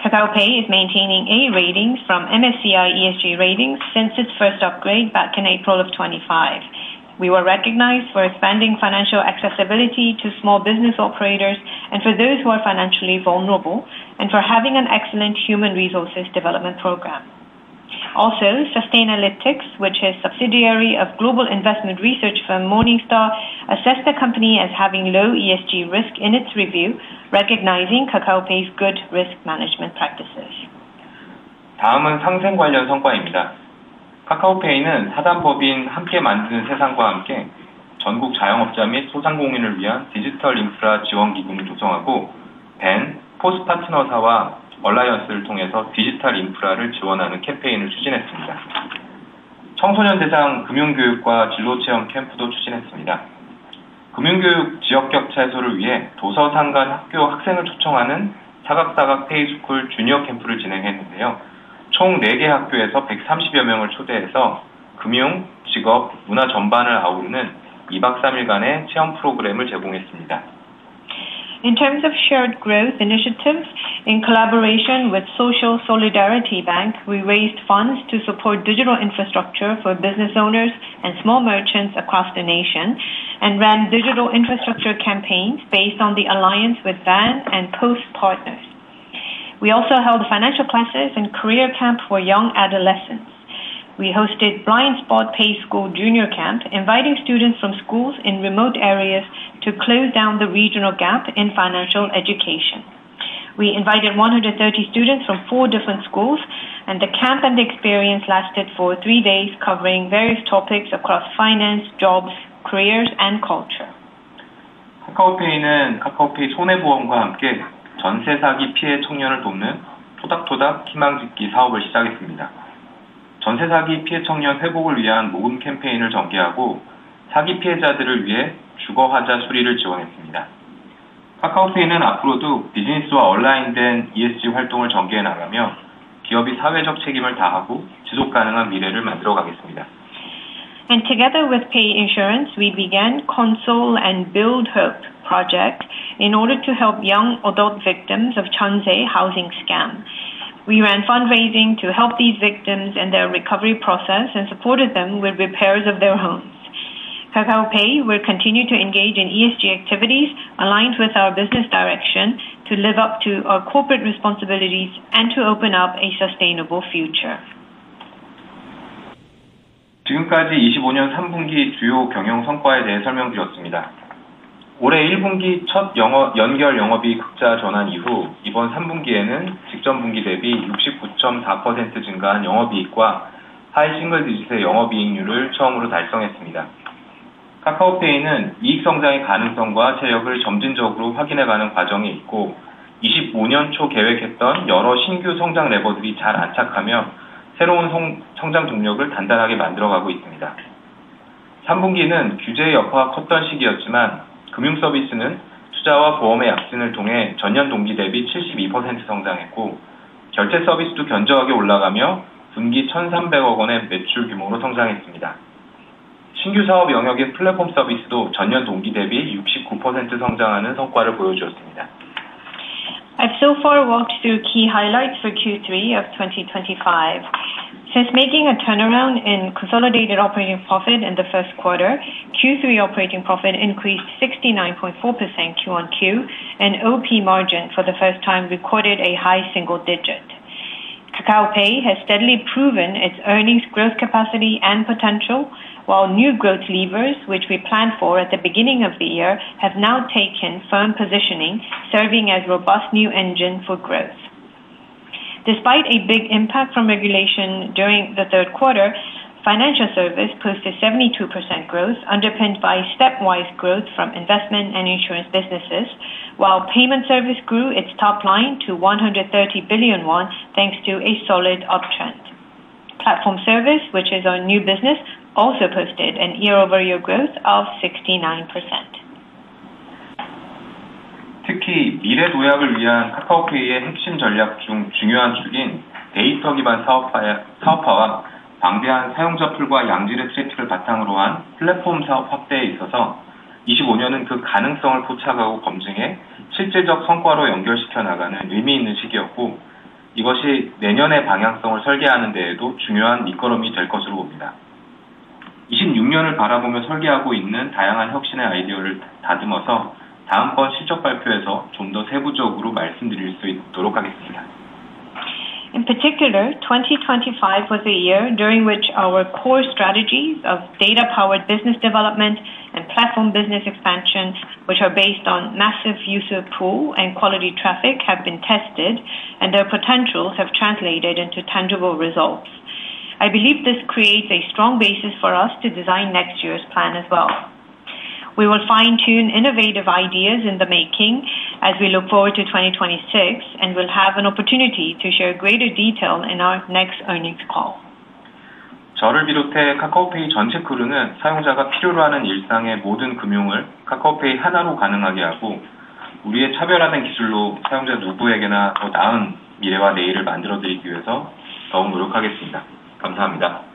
KakaoPay is maintaining A ratings from MSCI ESG ratings since its first upgrade back in April of 2025. We were recognized for expanding financial accessibility to small business operators and for those who are financially vulnerable, and for having an excellent human resources development program. Also, Sustainalytics, which is a subsidiary of global investment research firm Morningstar, assessed the company as having low ESG risk in its review, recognizing KakaoPay's good risk management practices. 다음은 상생 관련 성과입니다. 카카오페이는 사단법인 함께 만드는 세상과 함께 전국 자영업자 및 소상공인을 위한 디지털 인프라 지원 기금을 조성하고, 벤더 파트너사와 얼라이언스를 통해서 디지털 인프라를 지원하는 캠페인을 추진했습니다. 청소년 대상 금융 교육과 진로 체험 캠프도 추진했습니다. 금융 교육 지역 격차 해소를 위해 도서 산간 학교 학생을 초청하는 사각사각 페이스쿨 주니어 캠프를 진행했는데요. 총 4개 학교에서 130여 명을 초대해서 금융, 직업, 문화 전반을 아우르는 2박 3일간의 체험 프로그램을 제공했습니다. In terms of shared growth initiatives, in collaboration with Social Solidarity Bank, we raised funds to support digital infrastructure for business owners and small merchants across the nation and ran digital infrastructure campaigns based on the alliance with VAN and POST partners. We also held financial classes and career camps for young adolescents. We hosted Blindspot Pay School Junior Camp, inviting students from schools in remote areas to close down the regional gap in financial education. We invited 130 students from four different schools, and the camp and experience lasted for three days, covering various topics across finance, jobs, careers, and culture. 카카오페이는 카카오페이 손해보험과 함께 전세 사기 피해 청년을 돕는 토닥토닥 희망 짓기 사업을 시작했습니다. 전세 사기 피해 청년 회복을 위한 모금 캠페인을 전개하고 사기 피해자들을 위해 주거 하자 수리를 지원했습니다. 카카오페이는 앞으로도 비즈니스와 얼라인된 ESG 활동을 전개해 나가며 기업이 사회적 책임을 다하고 지속 가능한 미래를 만들어 가겠습니다. Together with Pay insurance, we began Console and Build Hope projects in order to help young adult victims of Chanze housing scam. We ran fundraising to help these victims in their recovery process and supported them with repairs of their homes. KakaoPay will continue to engage in ESG activities aligned with our business direction to live up to our corporate responsibilities and to open up a sustainable future. 지금까지 2025년 3분기 주요 경영 성과에 대해 설명드렸습니다. 올해 1분기 첫 연결 영업이익 흑자 전환 이후 이번 3분기에는 직전 분기 대비 69.4% 증가한 영업이익과 하이 싱글 디지트의 영업이익률을 처음으로 달성했습니다. 카카오페이는 이익 성장의 가능성과 세력을 점진적으로 확인해 가는 과정에 있고, 2025년 초 계획했던 여러 신규 성장 레버들이 잘 안착하며 새로운 성장 동력을 단단하게 만들어 가고 있습니다. 3분기는 규제의 여파가 컸던 시기였지만 금융 서비스는 투자와 보험의 약진을 통해 전년 동기 대비 72% 성장했고, 결제 서비스도 견조하게 올라가며 분기 ₩1,300억의 매출 규모로 성장했습니다. 신규 사업 영역인 플랫폼 서비스도 전년 동기 대비 69% 성장하는 성과를 보여주었습니다. I've so far walked through key highlights for Q3 of 2025. Since making a turnaround in consolidated operating profit in the first quarter, Q3 operating profit increased 69.4% quarter on quarter, and operating profit margin for the first time recorded a high single digit. KakaoPay has steadily proven its earnings growth capacity and potential, while new growth levers, which we planned for at the beginning of the year, have now taken firm positioning, serving as a robust new engine for growth. Despite a big impact from regulation during the third quarter, financial service posted 72% growth, underpinned by stepwise growth from investment and insurance businesses, while payment service grew its top line to ₩130 billion thanks to a solid uptrend. Platform service, which is our new business, also posted a year-over-year growth of 69%. 특히 미래 도약을 위한 카카오페이의 핵심 전략 중 중요한 축인 데이터 기반 사업화와 방대한 사용자 풀과 양질의 트래픽을 바탕으로 한 플랫폼 사업 확대에 있어서 2025년은 그 가능성을 포착하고 검증해 실질적 성과로 연결시켜 나가는 의미 있는 시기였고, 이것이 내년의 방향성을 설계하는 데에도 중요한 밑거름이 될 것으로 봅니다. 2026년을 바라보며 설계하고 있는 다양한 혁신의 아이디어를 다듬어서 다음번 실적 발표에서 좀더 세부적으로 말씀드릴 수 있도록 하겠습니다. In particular, 2025 was a year during which our core strategies of data-powered business development and platform business expansion, which are based on massive user pool and quality traffic, have been tested, and their potentials have translated into tangible results. I believe this creates a strong basis for us to design next year's plan as well. We will fine-tune innovative ideas in the making as we look forward to 2026 and will have an opportunity to share greater detail in our next earnings call. 저를 비롯해 카카오페이 전체 크루는 사용자가 필요로 하는 일상의 모든 금융을 카카오페이 하나로 가능하게 하고, 우리의 차별화된 기술로 사용자 누구에게나 더 나은 미래와 내일을 만들어 드리기 위해서 더욱 노력하겠습니다. 감사합니다.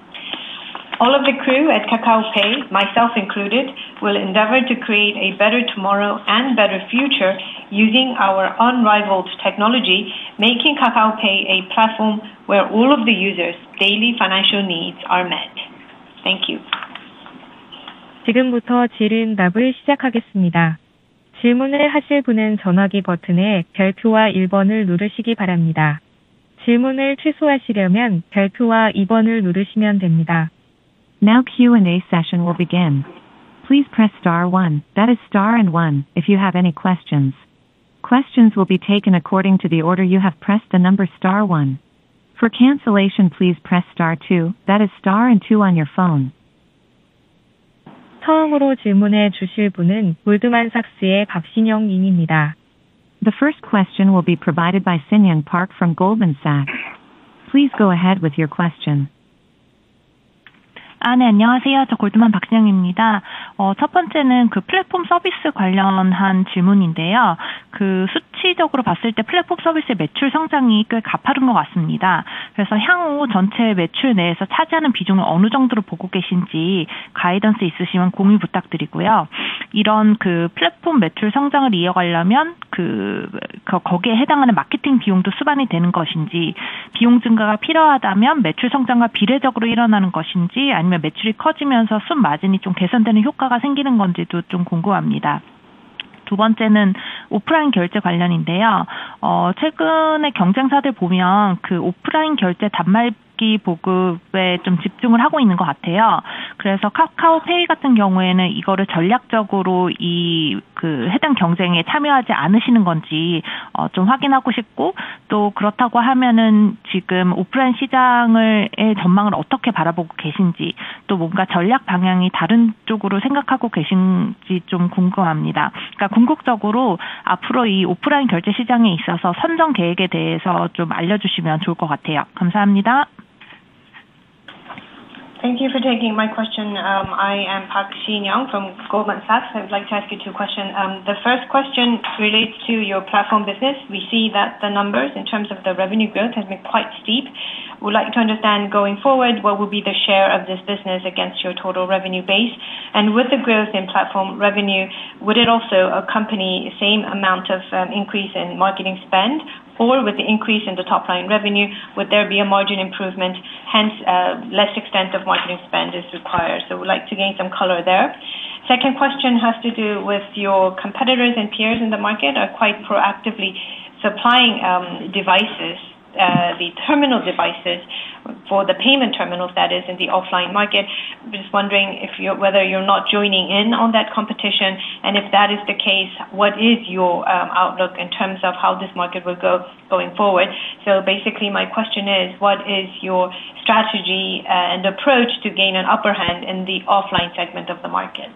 All of the crew at KakaoPay, myself included, will endeavor to create a better tomorrow and better future using our unrivaled technology, making KakaoPay a platform where all of the users' daily financial needs are met. Thank you. 지금부터 질의응답을 시작하겠습니다. 질문을 하실 분은 전화기 버튼에 별표와 1번을 누르시기 바랍니다. 질문을 취소하시려면 별표와 2번을 누르시면 됩니다. Now Q&A session will begin. Please press Star 1, that is Star and 1, if you have any questions. Questions will be taken according to the order you have pressed the number Star 1. For cancellation, please press Star 2, that is Star and 2 on your phone. 처음으로 질문해 주실 분은 골드만삭스의 박신영 님입니다. The first question will be provided by Sin Young Park from Goldman Sachs. Please go ahead with your question. 안녕하세요. 저 골드만삭스 박신영입니다. 첫 번째는 플랫폼 서비스 관련한 질문인데요. 수치적으로 봤을 때 플랫폼 서비스의 매출 성장이 꽤 가파른 것 같습니다. 그래서 향후 전체 매출 내에서 차지하는 비중을 어느 정도로 보고 계신지 가이던스 있으시면 공유 부탁드리고요. 이런 플랫폼 매출 성장을 이어가려면 거기에 해당하는 마케팅 비용도 수반이 되는 것인지, 비용 증가가 필요하다면 매출 성장과 비례적으로 일어나는 것인지, 아니면 매출이 커지면서 순 마진이 좀 개선되는 효과가 생기는 건지도 궁금합니다. 두 번째는 오프라인 결제 관련인데요. 최근에 경쟁사들 보면 오프라인 결제 단말기 보급에 집중을 하고 있는 것 같아요. 그래서 카카오페이 같은 경우에는 이거를 전략적으로 해당 경쟁에 참여하지 않으시는 건지 확인하고 싶고, 또 그렇다고 하면 지금 오프라인 시장의 전망을 어떻게 바라보고 계신지, 또 뭔가 전략 방향이 다른 쪽으로 생각하고 계신지 궁금합니다. 궁극적으로 앞으로 이 오프라인 결제 시장에 있어서 전진 계획에 대해서 알려주시면 좋을 것 같아요. 감사합니다. Thank you for taking my question. I am Park Sin Young from Goldman Sachs. I would like to ask you two questions. The first question relates to your platform business. We see that the numbers in terms of the revenue growth have been quite steep. We'd like to understand going forward what will be the share of this business against your total revenue base. With the growth in platform revenue, would it also accompany the same amount of increase in marketing spend, or with the increase in the top line revenue, would there be a margin improvement, hence less extensive marketing spend is required? We'd like to gain some color there. Second question has to do with your competitors and peers in the market are quite proactively supplying devices, the terminal devices for the payment terminals that is in the offline market. I'm just wondering whether you're not joining in on that competition, and if that is the case, what is your outlook in terms of how this market will go going forward? Basically my question is, what is your strategy and approach to gain an upper hand in the offline segment of the market?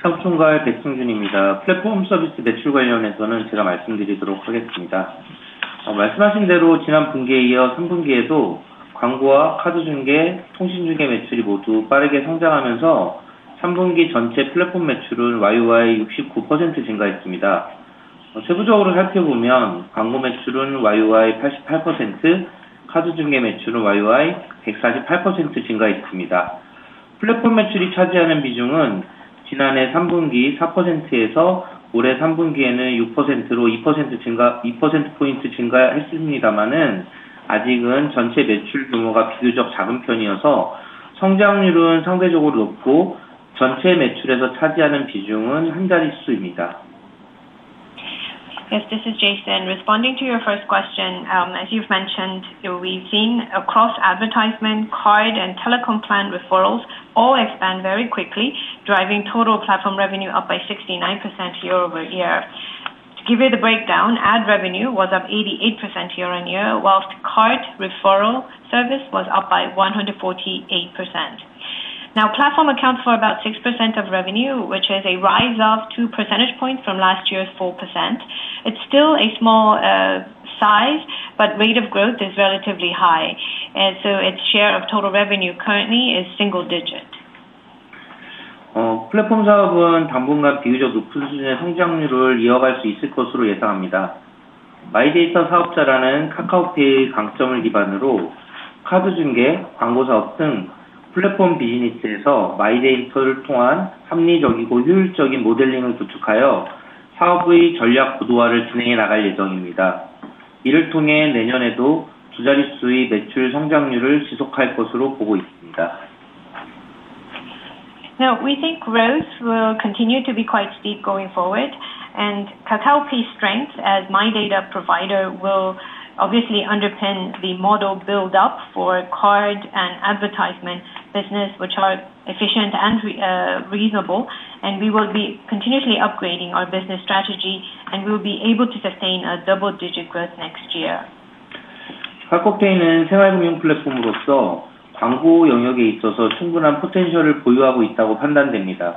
삼성과의 백승준입니다. 플랫폼 서비스 매출 관련해서는 제가 말씀드리도록 하겠습니다. 말씀하신 대로 지난 분기에 이어 3분기에도 광고와 카드 중계, 통신 중계 매출이 모두 빠르게 성장하면서 3분기 전체 플랫폼 매출은 전년 동기 대비 69% 증가했습니다. 세부적으로 살펴보면 광고 매출은 전년 동기 대비 88%, 카드 중계 매출은 전년 동기 대비 148% 증가했습니다. 플랫폼 매출이 차지하는 비중은 지난해 3분기 4%에서 올해 3분기에는 6%로 2%포인트 증가했습니다만, 아직은 전체 매출 규모가 비교적 작은 편이어서 성장률은 상대적으로 높고 전체 매출에서 차지하는 비중은 한 자릿수입니다. Yes, this is Jason. Responding to your first question, as you've mentioned, we've seen across advertisement, card, and telecom plan referrals all expand very quickly, driving total platform revenue up by 69% year over year. To give you the breakdown, ad revenue was up 88% year on year, whilst card referral service was up by 148%. Now, platform accounts for about 6% of revenue, which is a rise of 2 percentage points from last year's 4%. It's still a small size, but rate of growth is relatively high. And so its share of total revenue currently is single digit. 플랫폼 사업은 당분간 비교적 높은 수준의 성장률을 이어갈 수 있을 것으로 예상합니다. 마이데이터 사업자라는 카카오페이의 강점을 기반으로 카드 중계, 광고 사업 등 플랫폼 비즈니스에서 마이데이터를 통한 합리적이고 효율적인 모델링을 구축하여 사업의 전략 고도화를 진행해 나갈 예정입니다. 이를 통해 내년에도 두 자릿수의 매출 성장률을 지속할 것으로 보고 있습니다. Now, we think growth will continue to be quite steep going forward, and KakaoPay's strength as a data provider will obviously underpin the model build-up for card and advertisement business, which are efficient and reasonable. We will be continuously upgrading our business strategy, and we will be able to sustain double-digit growth next year. 카카오페이는 생활 금융 플랫폼으로서 광고 영역에 있어서 충분한 포텐셜을 보유하고 있다고 판단됩니다.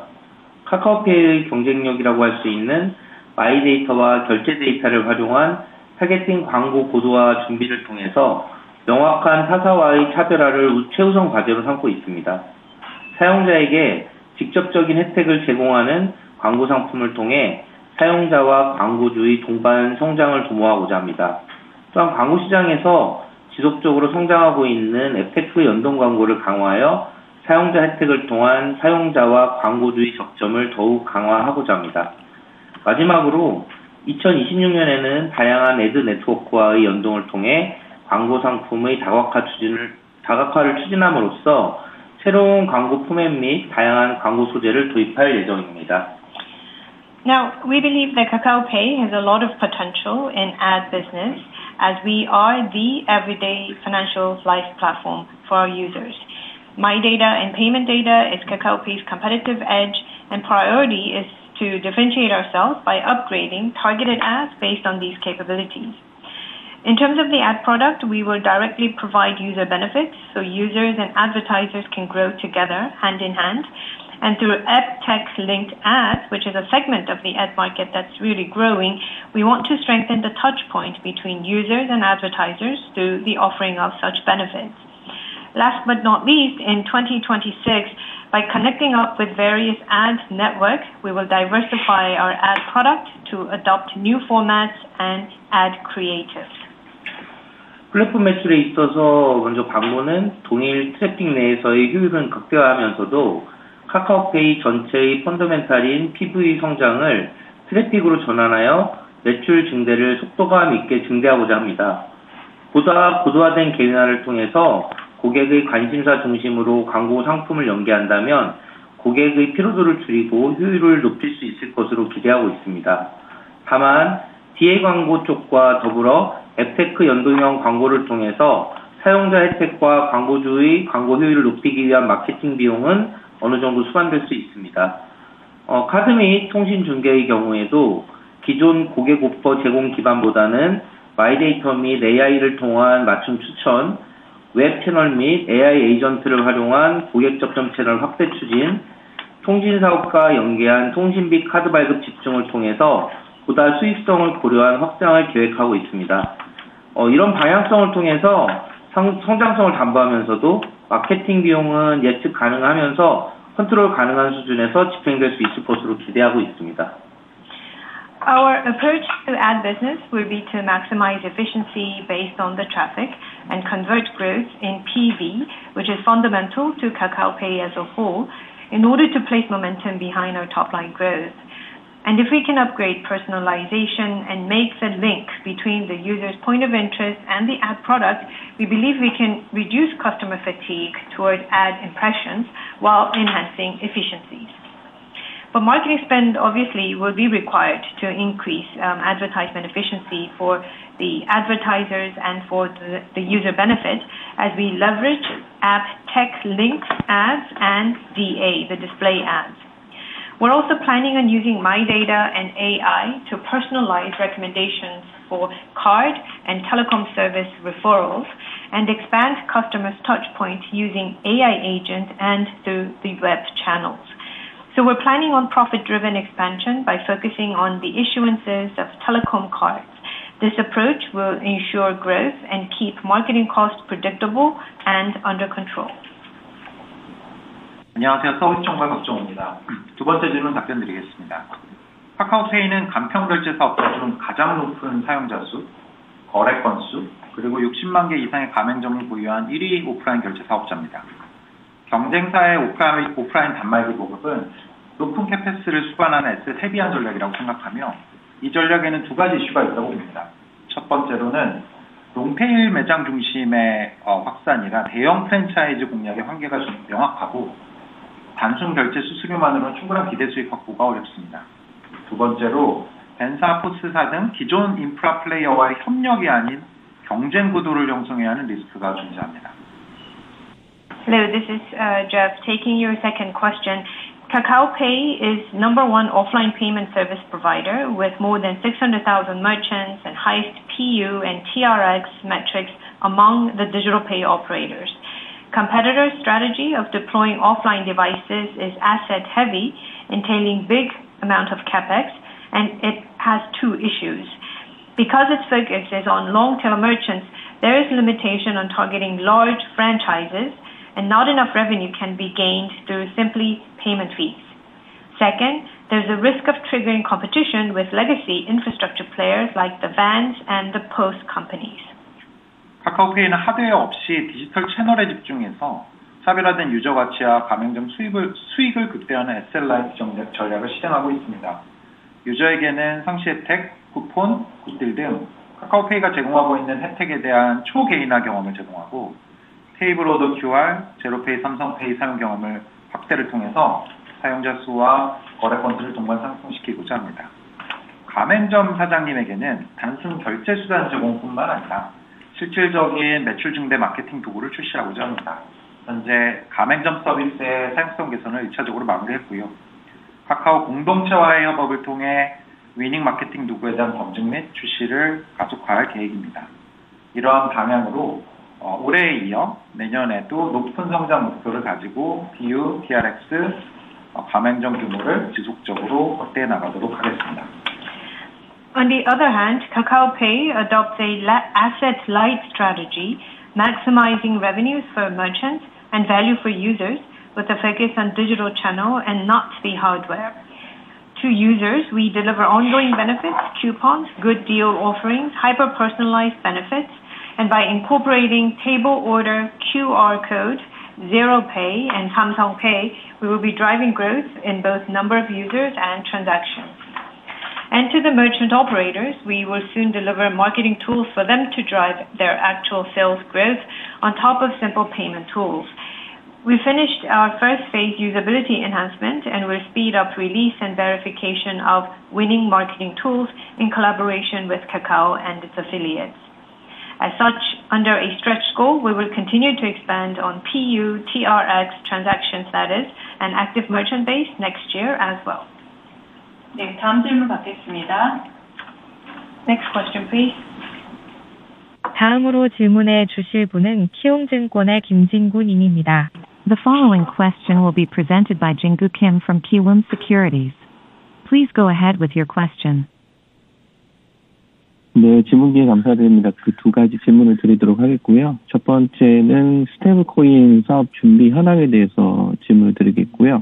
카카오페이의 경쟁력이라고 할수 있는 마이데이터와 결제 데이터를 활용한 타겟팅 광고 고도화 준비를 통해서 명확한 타사와의 차별화를 최우선 과제로 삼고 있습니다. 사용자에게 직접적인 혜택을 제공하는 광고 상품을 통해 사용자와 광고주의 동반 성장을 도모하고자 합니다. 또한 광고 시장에서 지속적으로 성장하고 있는 FF 연동 광고를 강화하여 사용자 혜택을 통한 사용자와 광고주의 접점을 더욱 강화하고자 합니다. 마지막으로 2026년에는 다양한 애드 네트워크와의 연동을 통해 광고 상품의 다각화를 추진함으로써 새로운 광고 포맷 및 다양한 광고 소재를 도입할 예정입니다. Now, we believe that KakaoPay has a lot of potential in ad business as we are the everyday financial life platform for our users. My data and payment data is KakaoPay's competitive edge, and priority is to differentiate ourselves by upgrading targeted ads based on these capabilities. In terms of the ad product, we will directly provide user benefits so users and advertisers can grow together hand in hand. Through FinTech-linked ads, which is a segment of the ad market that's really growing, we want to strengthen the touchpoint between users and advertisers through the offering of such benefits. Last but not least, in 2026, by connecting up with various ad networks, we will diversify our ad product to adopt new formats and ad creatives. 플랫폼 매출에 있어서 먼저 광고는 동일 트래픽 내에서의 효율은 극대화하면서도 카카오페이 전체의 펀더멘탈인 PV 성장을 트래픽으로 전환하여 매출 증대를 속도감 있게 증대하고자 합니다. 보다 고도화된 개인화를 통해서 고객의 관심사 중심으로 광고 상품을 연계한다면 고객의 피로도를 줄이고 효율을 높일 수 있을 것으로 기대하고 있습니다. 다만 DA 광고 쪽과 더불어 FinTech 연동형 광고를 통해서 사용자 혜택과 광고주의 광고 효율을 높이기 위한 마케팅 비용은 어느 정도 수반될 수 있습니다. 카드 및 통신 중계의 경우에도 기존 고객 오퍼 제공 기반보다는 마이데이터 및 AI를 통한 맞춤 추천, 웹 채널 및 AI 에이전트를 활용한 고객 접점 채널 확대 추진, 통신 사업과 연계한 통신비 카드 발급 집중을 통해서 보다 수익성을 고려한 확장을 계획하고 있습니다. 이런 방향성을 통해서 성장성을 담보하면서도 마케팅 비용은 예측 가능하면서 컨트롤 가능한 수준에서 집행될 수 있을 것으로 기대하고 있습니다. Our approach to ad business will be to maximize efficiency based on the traffic and convert growth in PV, which is fundamental to KakaoPay as a whole, in order to place momentum behind our top line growth. If we can upgrade personalization and make the link between the user's point of interest and the ad product, we believe we can reduce customer fatigue toward ad impressions while enhancing efficiencies. Marketing spend, obviously, will be required to increase advertisement efficiency for the advertisers and for the user benefit as we leverage FTech-linked ads and DA, the display ads. We're also planning on using my data and AI to personalize recommendations for card and telecom service referrals and expand customers' touchpoints using AI agents and through the web channels. We're planning on profit-driven expansion by focusing on the issuances of telecom cards. This approach will ensure growth and keep marketing costs predictable and under control. 안녕하세요. 서울지청 발 법정호입니다. 두 번째 질문 답변 드리겠습니다. 카카오페이는 간편 결제 사업자 중 가장 높은 사용자 수, 거래 건수, 그리고 60만 개 이상의 가맹점을 보유한 1위 오프라인 결제 사업자입니다. 경쟁사의 오프라인 단말기 보급은 높은 캐패스를 수반하는 어세스 세비한 전략이라고 생각하며, 이 전략에는 두 가지 이슈가 있다고 봅니다. 첫 번째로는 롱테일 매장 중심의 확산이라 대형 프랜차이즈 공략의 한계가 명확하고, 단순 결제 수수료만으로는 충분한 기대 수익 확보가 어렵습니다. 두 번째로 벤사, 포스사 등 기존 인프라 플레이어와의 협력이 아닌 경쟁 구도를 형성해야 하는 리스크가 존재합니다. Hello, this is Jeff. Taking your second question, KakaoPay is number one offline payment service provider with more than 600,000 merchants and highest PU and TRX metrics among the digital pay operators. Competitor strategy of deploying offline devices is asset-heavy, entailing big amounts of CAPEX, and it has two issues. Because its focus is on long-tail merchants, there is limitation on targeting large franchises, and not enough revenue can be gained through simply payment fees. Second, there's a risk of triggering competition with legacy infrastructure players like the VAN and the POS companies. 카카오페이는 하드웨어 없이 디지털 채널에 집중해서 차별화된 유저 가치와 가맹점 수익을 극대화하는 SLI 전략을 실행하고 있습니다. 유저에게는 상시 혜택, 쿠폰, 굿딜 등 카카오페이가 제공하고 있는 혜택에 대한 초개인화 경험을 제공하고, 테이블 오더 QR, 제로페이, 삼성페이 사용 경험 확대를 통해서 사용자 수와 거래 건수를 동반 상승시키고자 합니다. 가맹점 사장님에게는 단순 결제 수단 제공뿐만 아니라 실질적인 매출 증대 마케팅 도구를 출시하고자 합니다. 현재 가맹점 서비스의 사용성 개선을 1차적으로 마무리했고요. 카카오 공동체와의 협업을 통해 위닝 마케팅 도구에 대한 검증 및 출시를 가속화할 계획입니다. 이러한 방향으로 올해에 이어 내년에도 높은 성장 목표를 가지고 PU, TRX, 가맹점 규모를 지속적으로 확대해 나가도록 하겠습니다. On the other hand, KakaoPay adopts an asset-light strategy, maximizing revenues for merchants and value for users with a focus on digital channel and not the hardware. To users, we deliver ongoing benefits, coupons, good deal offerings, hyper-personalized benefits, and by incorporating table order QR code, ZeroPay, and Samsung Pay, we will be driving growth in both number of users and transactions. To the merchant operators, we will soon deliver marketing tools for them to drive their actual sales growth on top of simple payment tools. We finished our first phase usability enhancement, and we'll speed up release and verification of winning marketing tools in collaboration with Kakao and its affiliates. As such, under a stretch goal, we will continue to expand on PU, TRX transaction status and active merchant base next year as well. 네, 다음 질문 받겠습니다. Next question, please. 다음으로 질문해 주실 분은 키움증권의 김진구 님입니다. The following question will be presented by Jinggu Kim from Kiwoom Securities. Please go ahead with your question. 네, 질문 기회 감사드립니다. 두 가지 질문을 드리도록 하겠고요. 첫 번째는 스테이블코인 사업 준비 현황에 대해서 질문을 드리겠고요.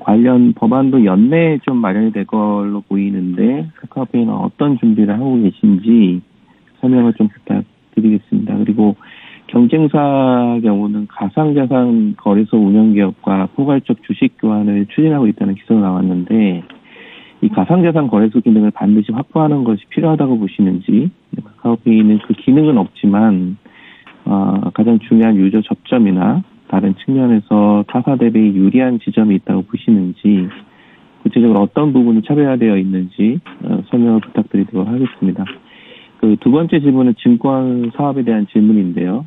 관련 법안도 연내에 마련이 될 걸로 보이는데, 카카오페이는 어떤 준비를 하고 계신지 설명을 부탁드리겠습니다. 경쟁사의 경우는 가상자산 거래소 운영 기업과 포괄적 주식 교환을 추진하고 있다는 기사가 나왔는데, 이 가상자산 거래소 기능을 반드시 확보하는 것이 필요하다고 보시는지, 카카오페이는 그 기능은 없지만 가장 중요한 유저 접점이나 다른 측면에서 타사 대비 유리한 지점이 있다고 보시는지, 구체적으로 어떤 부분이 차별화되어 있는지 설명을 부탁드리도록 하겠습니다. 두 번째 질문은 증권 사업에 대한 질문인데요.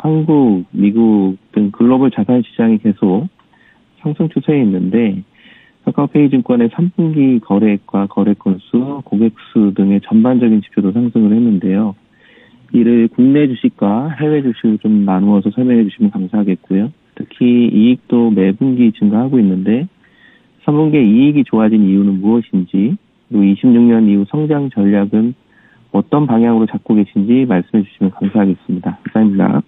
한국, 미국 등 글로벌 자산 시장이 계속 상승 추세에 있는데, 카카오페이 증권의 3분기 거래액과 거래 건수, 고객 수 등의 전반적인 지표도 상승을 했는데요. 이를 국내 주식과 해외 주식으로 나누어서 설명해 주시면 감사하겠고요. 특히 이익도 매분기 증가하고 있는데 3분기에 이익이 좋아진 이유는 무엇인지, 그리고 2026년 이후 성장 전략은 어떤 방향으로 잡고 계신지 말씀해 주시면 감사하겠습니다. 감사합니다.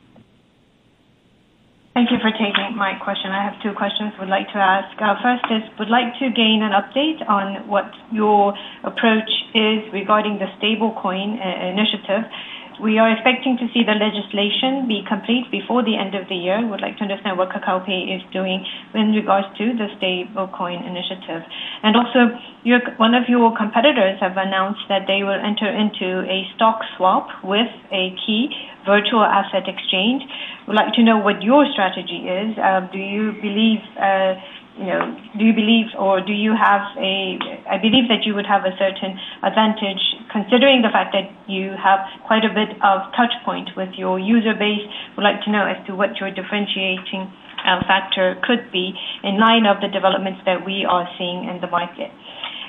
Thank you for taking my question. I have two questions I would like to ask. First is, would like to gain an update on what your approach is regarding the stablecoin initiative. We are expecting to see the legislation be complete before the end of the year. We'd like to understand what KakaoPay is doing in regards to the stablecoin initiative. Also, one of your competitors has announced that they will enter into a stock swap with a key virtual asset exchange. We'd like to know what your strategy is. Do you believe that you would have a certain advantage considering the fact that you have quite a bit of touchpoint with your user base? We'd like to know as to what your differentiating factor could be in line of the developments that we are seeing in the market.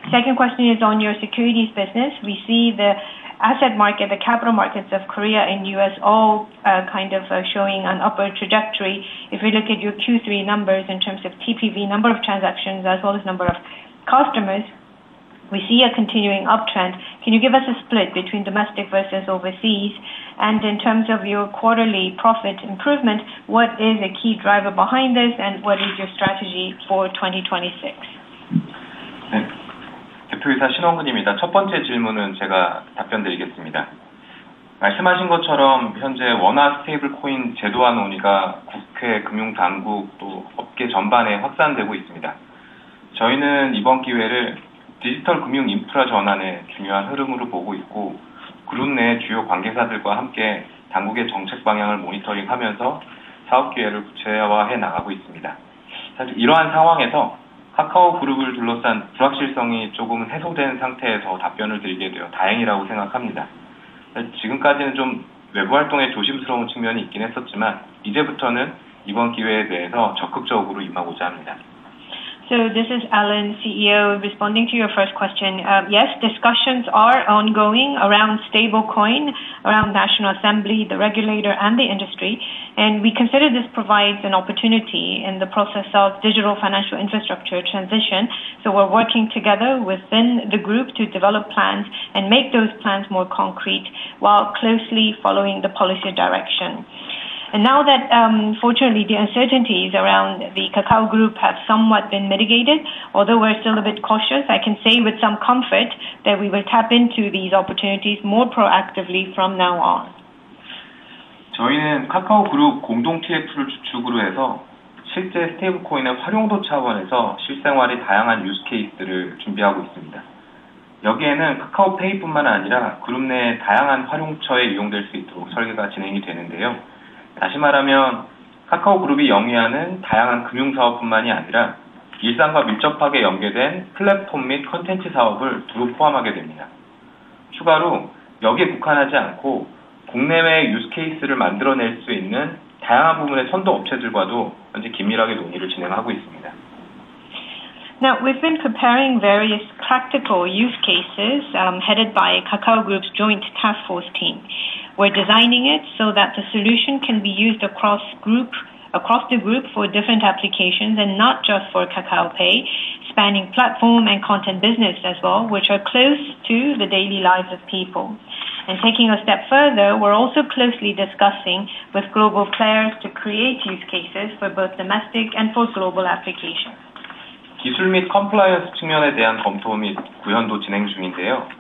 Second question is on your securities business. We see the asset market, the capital markets of Korea and US all showing an upward trajectory. If we look at your Q3 numbers in terms of TPV, number of transactions, as well as number of customers, we see a continuing uptrend. Can you give us a split between domestic versus overseas? In terms of your quarterly profit improvement, what is a key driver behind this, and what is your strategy for 2026? 네, 대표이사 신원근입니다. 첫 번째 질문은 제가 답변 드리겠습니다. 말씀하신 것처럼 현재 원화 스테이블코인 제도화 논의가 국회, 금융당국, 또 업계 전반에 확산되고 있습니다. 저희는 이번 기회를 디지털 금융 인프라 전환의 중요한 흐름으로 보고 있고, 그룹 내 주요 관계사들과 함께 당국의 정책 방향을 모니터링하면서 사업 기회를 구체화해 나가고 있습니다. 사실 이러한 상황에서 카카오 그룹을 둘러싼 불확실성이 조금 해소된 상태에서 답변을 드리게 되어 다행이라고 생각합니다. 지금까지는 외부 활동에 조심스러운 측면이 있긴 했었지만, 이제부터는 이번 기회에 대해서 적극적으로 임하고자 합니다. So this is Alan, CEO, responding to your first question. Yes, discussions are ongoing around stablecoin, around the National Assembly, the regulator, and the industry. We consider this provides an opportunity in the process of digital financial infrastructure transition. So we're working together within the group to develop plans and make those plans more concrete while closely following the policy direction. Now that, fortunately, the uncertainties around the Kakao Group have somewhat been mitigated, although we're still a bit cautious, I can say with some comfort that we will tap into these opportunities more proactively from now on. 저희는 카카오 그룹 공동 TF를 주축으로 해서 실제 스테이블코인의 활용도 차원에서 실생활의 다양한 유스케이스를 준비하고 있습니다. 여기에는 카카오페이뿐만 아니라 그룹 내의 다양한 활용처에 이용될 수 있도록 설계가 진행이 되는데요. 다시 말하면 카카오 그룹이 영위하는 다양한 금융 사업뿐만이 아니라 일상과 밀접하게 연계된 플랫폼 및 콘텐츠 사업을 두루 포함하게 됩니다. 추가로 여기에 국한하지 않고 국내외 유스케이스를 만들어낼 수 있는 다양한 부분의 선도 업체들과도 현재 긴밀하게 논의를 진행하고 있습니다. Now, we've been preparing various practical use cases headed by Kakao Group's joint task force team. We're designing it so that the solution can be used across the group for different applications and not just for KakaoPay, spanning platform and content business as well, which are close to the daily lives of people. Taking a step further, we're also closely discussing with global players to create use cases for both domestic and for global applications. 기술 및 컴플라이언스 측면에 대한 검토 및 구현도 진행 중인데요.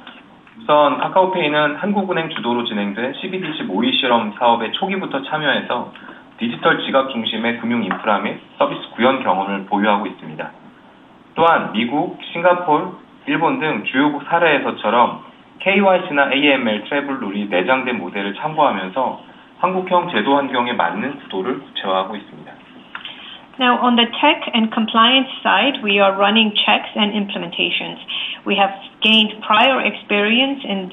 우선 카카오페이는 한국은행 주도로 진행된 CBDC 모의 실험 사업에 초기부터 참여해서 디지털 지갑 중심의 금융 인프라 및 서비스 구현 경험을 보유하고 있습니다. 또한 미국, 싱가포르, 일본 등 주요국 사례에서처럼 KYC나 AML 트래블 룰이 내장된 모델을 참고하면서 한국형 제도 환경에 맞는 구도를 구체화하고 있습니다. Now, on the tech and compliance side, we are running checks and implementations. We have gained prior experience in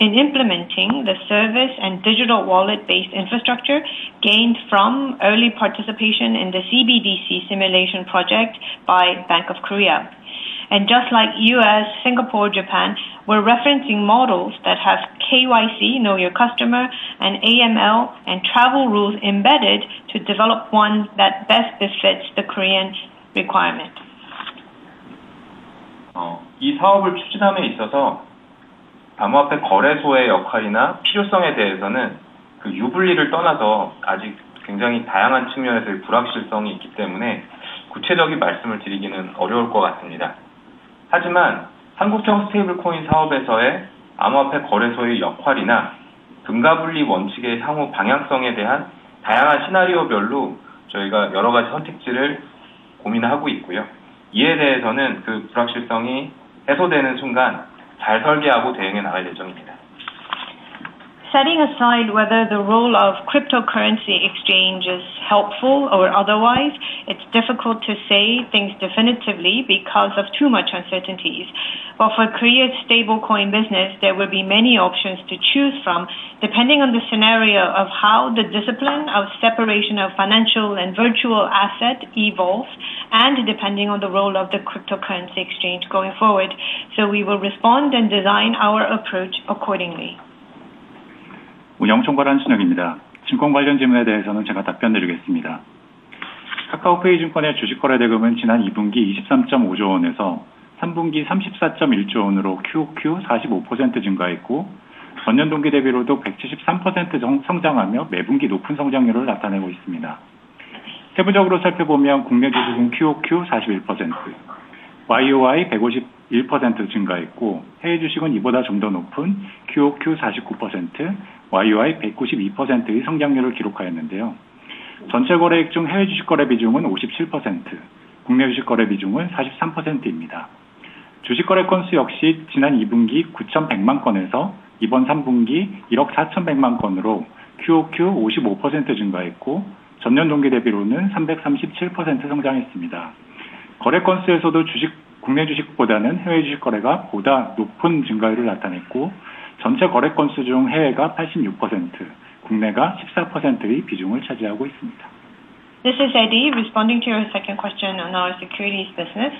implementing the service and digital wallet-based infrastructure gained from early participation in the CBDC simulation project by Bank of Korea. Just like US, Singapore, Japan, we're referencing models that have KYC, Know Your Customer, and AML and travel rules embedded to develop one that best fits the Korean requirement. 이 사업을 추진함에 있어서 암호화폐 거래소의 역할이나 필요성에 대해서는 그 유불리를 떠나서 아직 굉장히 다양한 측면에서의 불확실성이 있기 때문에 구체적인 말씀을 드리기는 어려울 것 같습니다. 하지만 한국형 스테이블코인 사업에서의 암호화폐 거래소의 역할이나 금가 분리 원칙의 향후 방향성에 대한 다양한 시나리오별로 저희가 여러 가지 선택지를 고민하고 있고요. 이에 대해서는 그 불확실성이 해소되는 순간 잘 설계하고 대응해 나갈 예정입니다. Setting aside whether the role of cryptocurrency exchanges is helpful or otherwise, it's difficult to say things definitively because of too much uncertainties. But for Korea's stablecoin business, there will be many options to choose from depending on the scenario of how the discipline of separation of financial and virtual asset evolves and depending on the role of the cryptocurrency exchange going forward. So we will respond and design our approach accordingly. 우리 영업총괄 한순혁입니다. 증권 관련 질문에 대해서는 제가 답변 드리겠습니다. 카카오페이 증권의 주식 거래 대금은 지난 2분기 ₩23.5조에서 3분기 ₩34.1조로 QOQ 45% 증가했고, 전년 동기 대비로도 173% 성장하며 매분기 높은 성장률을 나타내고 있습니다. 세부적으로 살펴보면 국내 주식은 QOQ 41%, YOY 151% 증가했고, 해외 주식은 이보다 더 높은 QOQ 49%, YOY 192%의 성장률을 기록하였는데요. 전체 거래액 중 해외 주식 거래 비중은 57%, 국내 주식 거래 비중은 43%입니다. 주식 거래 건수 역시 지난 2분기 9,100만 건에서 이번 3분기 1억 4,100만 건으로 QOQ 55% 증가했고, 전년 동기 대비로는 337% 성장했습니다. 거래 건수에서도 국내 주식보다는 해외 주식 거래가 보다 높은 증가율을 나타냈고, 전체 거래 건수 중 해외가 86%, 국내가 14%의 비중을 차지하고 있습니다. This is Eddie, responding to your second question on our securities business.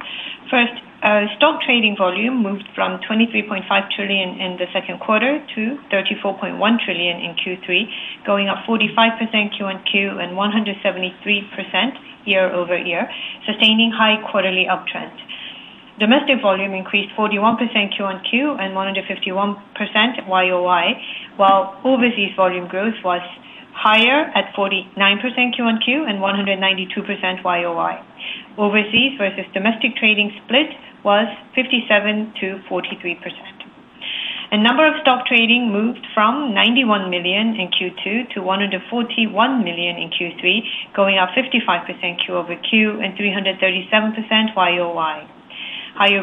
First, stock trading volume moved from ₩23.5 trillion in the second quarter to ₩34.1 trillion in Q3, going up 45% QOQ and 173% year over year, sustaining high quarterly uptrend. Domestic volume increased 41% QOQ and 151% YOY, while overseas volume growth was higher at 49% QOQ and 192% YOY. Overseas versus domestic trading split was 57% to 43%. Number of stock trading moved from 91 million in Q2 to 141 million in Q3, going up 55% QOQ and 337% YOY. Higher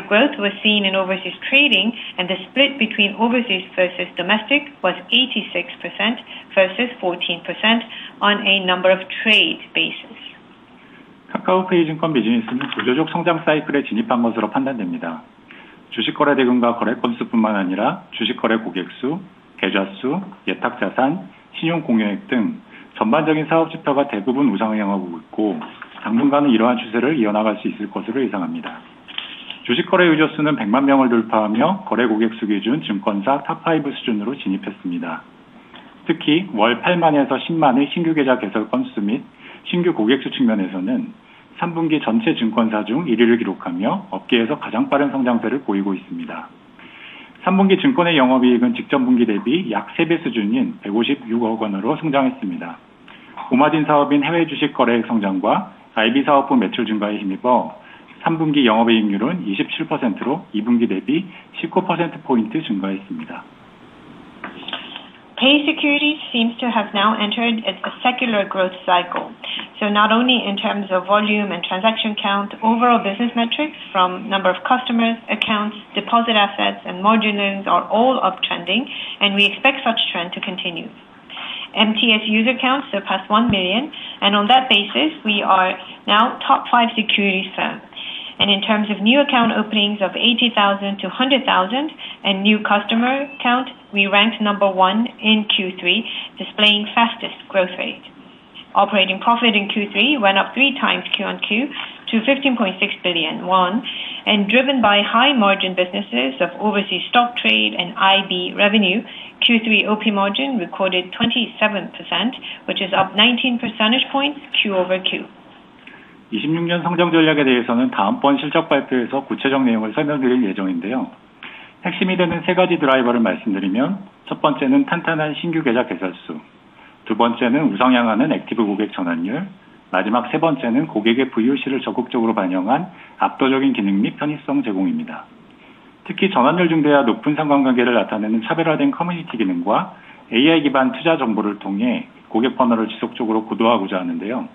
growth was seen in overseas trading, and the split between overseas versus domestic was 86% versus 14% on a number of trade bases. 카카오페이 증권 비즈니스는 구조적 성장 사이클에 진입한 것으로 판단됩니다. 주식 거래 대금과 거래 건수뿐만 아니라 주식 거래 고객 수, 계좌 수, 예탁 자산, 신용 공여액 등 전반적인 사업 지표가 대부분 우상향하고 있고, 당분간은 이러한 추세를 이어나갈 수 있을 것으로 예상합니다. 주식 거래 유저 수는 100만 명을 돌파하며 거래 고객 수 기준 증권사 TOP 5 수준으로 진입했습니다. 특히 월 8만에서 10만의 신규 계좌 개설 건수 및 신규 고객 수 측면에서는 3분기 전체 증권사 중 1위를 기록하며 업계에서 가장 빠른 성장세를 보이고 있습니다. 3분기 증권의 영업 이익은 직전 분기 대비 약 3배 수준인 ₩156억으로 성장했습니다. 고마진 사업인 해외 주식 거래액 성장과 IB 사업부 매출 증가에 힘입어 3분기 영업 이익률은 27%로 2분기 대비 19%포인트 증가했습니다. K-Securities seems to have now entered a secular growth cycle. So not only in terms of volume and transaction count, overall business metrics from number of customers, accounts, deposit assets, and marginals are all uptrending, and we expect such trend to continue. MTS user counts surpassed 1 million, and on that basis, we are now top five securities firm. In terms of new account openings of 80,000 to 100,000 and new customer count, we ranked number one in Q3, displaying fastest growth rate. Operating profit in Q3 went up three times QOQ to ₩15.6 billion, and driven by high margin businesses of overseas stock trade and IB revenue, Q3 OP margin recorded 27%, which is up 19 percentage points QOQ. 2026년 성장 전략에 대해서는 다음 번 실적 발표에서 구체적 내용을 설명 드릴 예정인데요. 핵심이 되는 세 가지 드라이버를 말씀드리면, 첫 번째는 탄탄한 신규 계좌 개설 수, 두 번째는 우상향하는 액티브 고객 전환율, 마지막 세 번째는 고객의 VOC를 적극적으로 반영한 압도적인 기능 및 편의성 제공입니다. 특히 전환율 증대와 높은 상관관계를 나타내는 차별화된 커뮤니티 기능과 AI 기반 투자 정보를 통해 고객 퍼널을 지속적으로 고도화하고자 하는데요.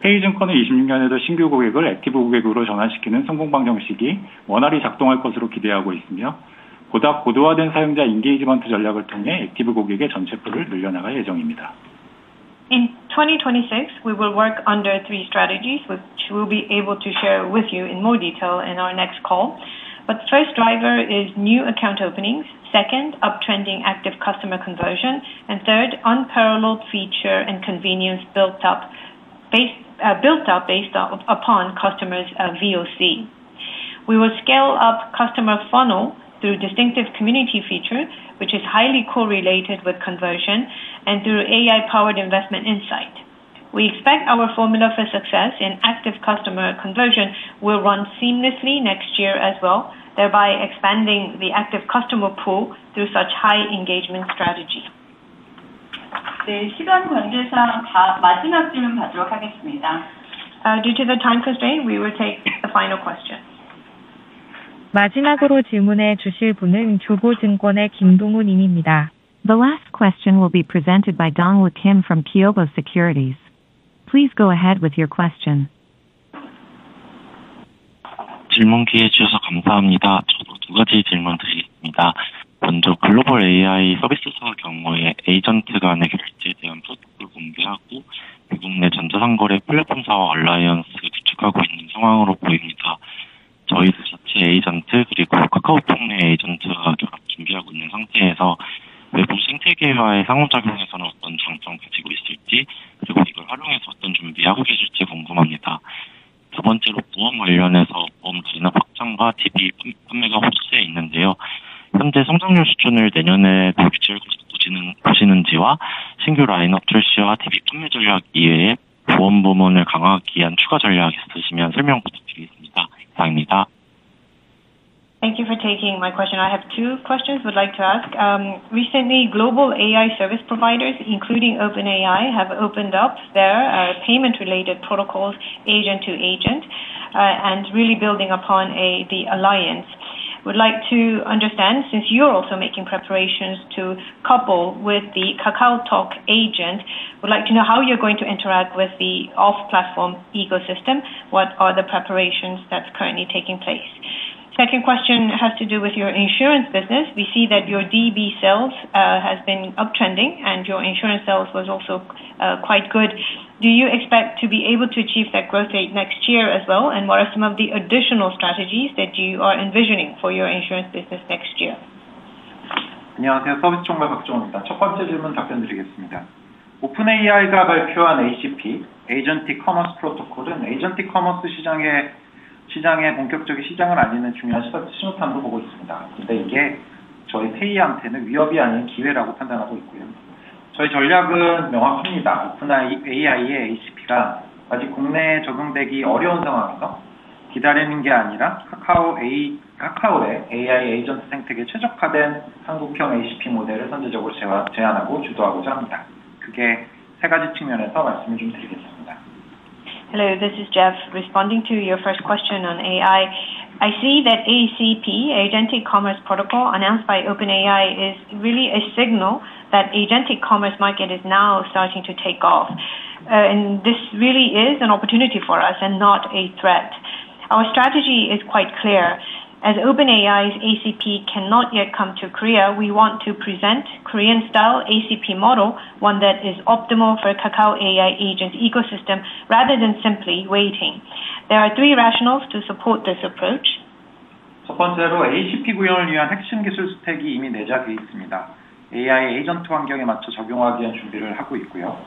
페이 증권은 2026년에도 신규 고객을 액티브 고객으로 전환시키는 성공 방정식이 원활히 작동할 것으로 기대하고 있으며, 보다 고도화된 사용자 인게이지먼트 전략을 통해 액티브 고객의 전체 풀을 늘려나갈 예정입니다. In 2026, we will work under three strategies, which we'll be able to share with you in more detail in our next call. But the first driver is new account openings, second, uptrending active customer conversion, and third, unparalleled feature and convenience built up based upon customers' VOC. We will scale up customer funnel through distinctive community features, which is highly correlated with conversion, and through AI-powered investment insight. We expect our formula for success in active customer conversion will run seamlessly next year as well, thereby expanding the active customer pool through such high engagement strategy. 네, 시간 관계상 마지막 질문 받도록 하겠습니다. Due to the time constraint, we will take the final question. 마지막으로 질문해 주실 분은 교보증권의 김동훈 님입니다. The last question will be presented by Dong Woo-Kim from Kyobo Securities. Please go ahead with your question. 질문 기회 주셔서 감사합니다. 저도 두 가지 질문 드리겠습니다. 먼저 글로벌 AI 서비스 사업의 경우에 에이전트 간의 결제에 대한 프로토콜을 공개하고 외국 내 전자상거래 플랫폼 사업 얼라이언스를 구축하고 있는 상황으로 보입니다. 저희도 자체 에이전트 그리고 카카오톡 내 에이전트가 결합 준비하고 있는 상태에서 외부 생태계와의 상호작용에서는 어떤 장점을 가지고 있을지, 그리고 이걸 활용해서 어떤 준비를 하고 계실지 궁금합니다. 두 번째로 보험 관련해서 보험 진입 확장과 DB 판매가 호재에 있는데요. 현재 성장률 수준을 내년에도 유지할 것으로 보시는지와 신규 라인업 출시와 DB 판매 전략 이외에 보험 부문을 강화하기 위한 추가 전략이 있으시면 설명 부탁드리겠습니다. 이상입니다. Thank you for taking my question. I have two questions I would like to ask. Recently, global AI service providers, including OpenAI, have opened up their payment-related protocols agent to agent and really building upon the alliance. I would like to understand, since you're also making preparations to couple with the KakaoTalk agent, I would like to know how you're going to interact with the off-platform ecosystem, what are the preparations that are currently taking place. Second question has to do with your insurance business. We see that your DB sales have been uptrending and your insurance sales were also quite good. Do you expect to be able to achieve that growth rate next year as well, and what are some of the additional strategies that you are envisioning for your insurance business next year? 안녕하세요. 서비스 총괄 박종훈입니다. 첫 번째 질문 답변 드리겠습니다. OpenAI가 발표한 ACP, Agentic Commerce Protocol은 Agentic Commerce 시장에 본격적인 시장을 알리는 중요한 신호탄으로 보고 있습니다. 근데 이게 저희 페이한테는 위협이 아닌 기회라고 판단하고 있고요. 저희 전략은 명확합니다. OpenAI의 ACP가 아직 국내에 적용되기 어려운 상황에서 기다리는 게 아니라 카카오의 AI 에이전트 생태계에 최적화된 한국형 ACP 모델을 선제적으로 제안하고 주도하고자 합니다. 그게 세 가지 측면에서 말씀을 드리겠습니다. Hello, this is Jeff responding to your first question on AI. I see that ACP, Agentic Commerce Protocol, announced by OpenAI, is really a signal that the Agentic Commerce market is now starting to take off. This really is an opportunity for us and not a threat. Our strategy is quite clear. As OpenAI's ACP cannot yet come to Korea, we want to present a Korean-style ACP model, one that is optimal for the Kakao AI agent ecosystem rather than simply waiting. There are three rationales to support this approach. 첫 번째로 ACP 구현을 위한 핵심 기술 스택이 이미 내재돼 있습니다. AI 에이전트 환경에 맞춰 적용하기 위한 준비를 하고 있고요.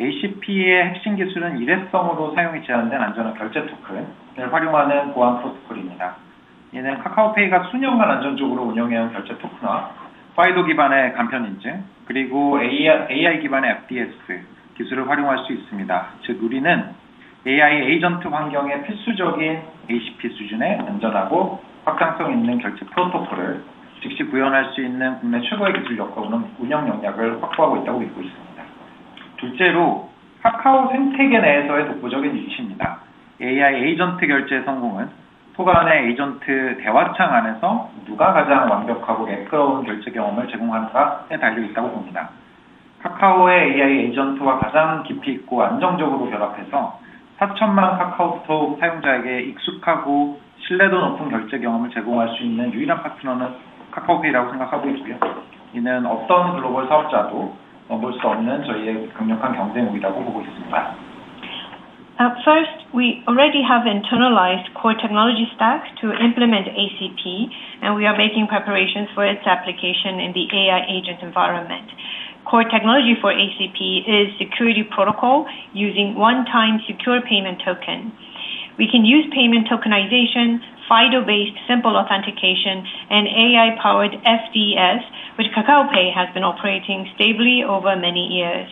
ACP의 핵심 기술은 일회성으로 사용이 제한된 안전한 결제 토큰을 활용하는 보안 프로토콜입니다. 이는 카카오페이가 수년간 안정적으로 운영해온 결제 토큰화, FIDO 기반의 간편 인증, 그리고 AI 기반의 FDS 기술을 활용할 수 있습니다. 즉, 우리는 AI 에이전트 환경에 필수적인 ACP 수준의 안전하고 확장성 있는 결제 프로토콜을 즉시 구현할 수 있는 국내 최고의 기술력과 운영 역량을 확보하고 있다고 믿고 있습니다. 둘째로 카카오 생태계 내에서의 독보적인 위치입니다. AI 에이전트 결제의 성공은 초반에 에이전트 대화창 안에서 누가 가장 완벽하고 매끄러운 결제 경험을 제공하는가에 달려 있다고 봅니다. 카카오의 AI 에이전트와 가장 깊이 있고 안정적으로 결합해서 4천만 카카오톡 사용자에게 익숙하고 신뢰도 높은 결제 경험을 제공할 수 있는 유일한 파트너는 카카오페이라고 생각하고 있고요. 이는 어떤 글로벌 사업자도 넘볼 수 없는 저희의 강력한 경쟁 우위라고 보고 있습니다. First, we already have internalized core technology stack to implement ACP, and we are making preparations for its application in the AI agent environment. Core technology for ACP is security protocol using one-time secure payment token. We can use payment tokenization, FIDO-based simple authentication, and AI-powered FDS, which KakaoPay has been operating stably over many years.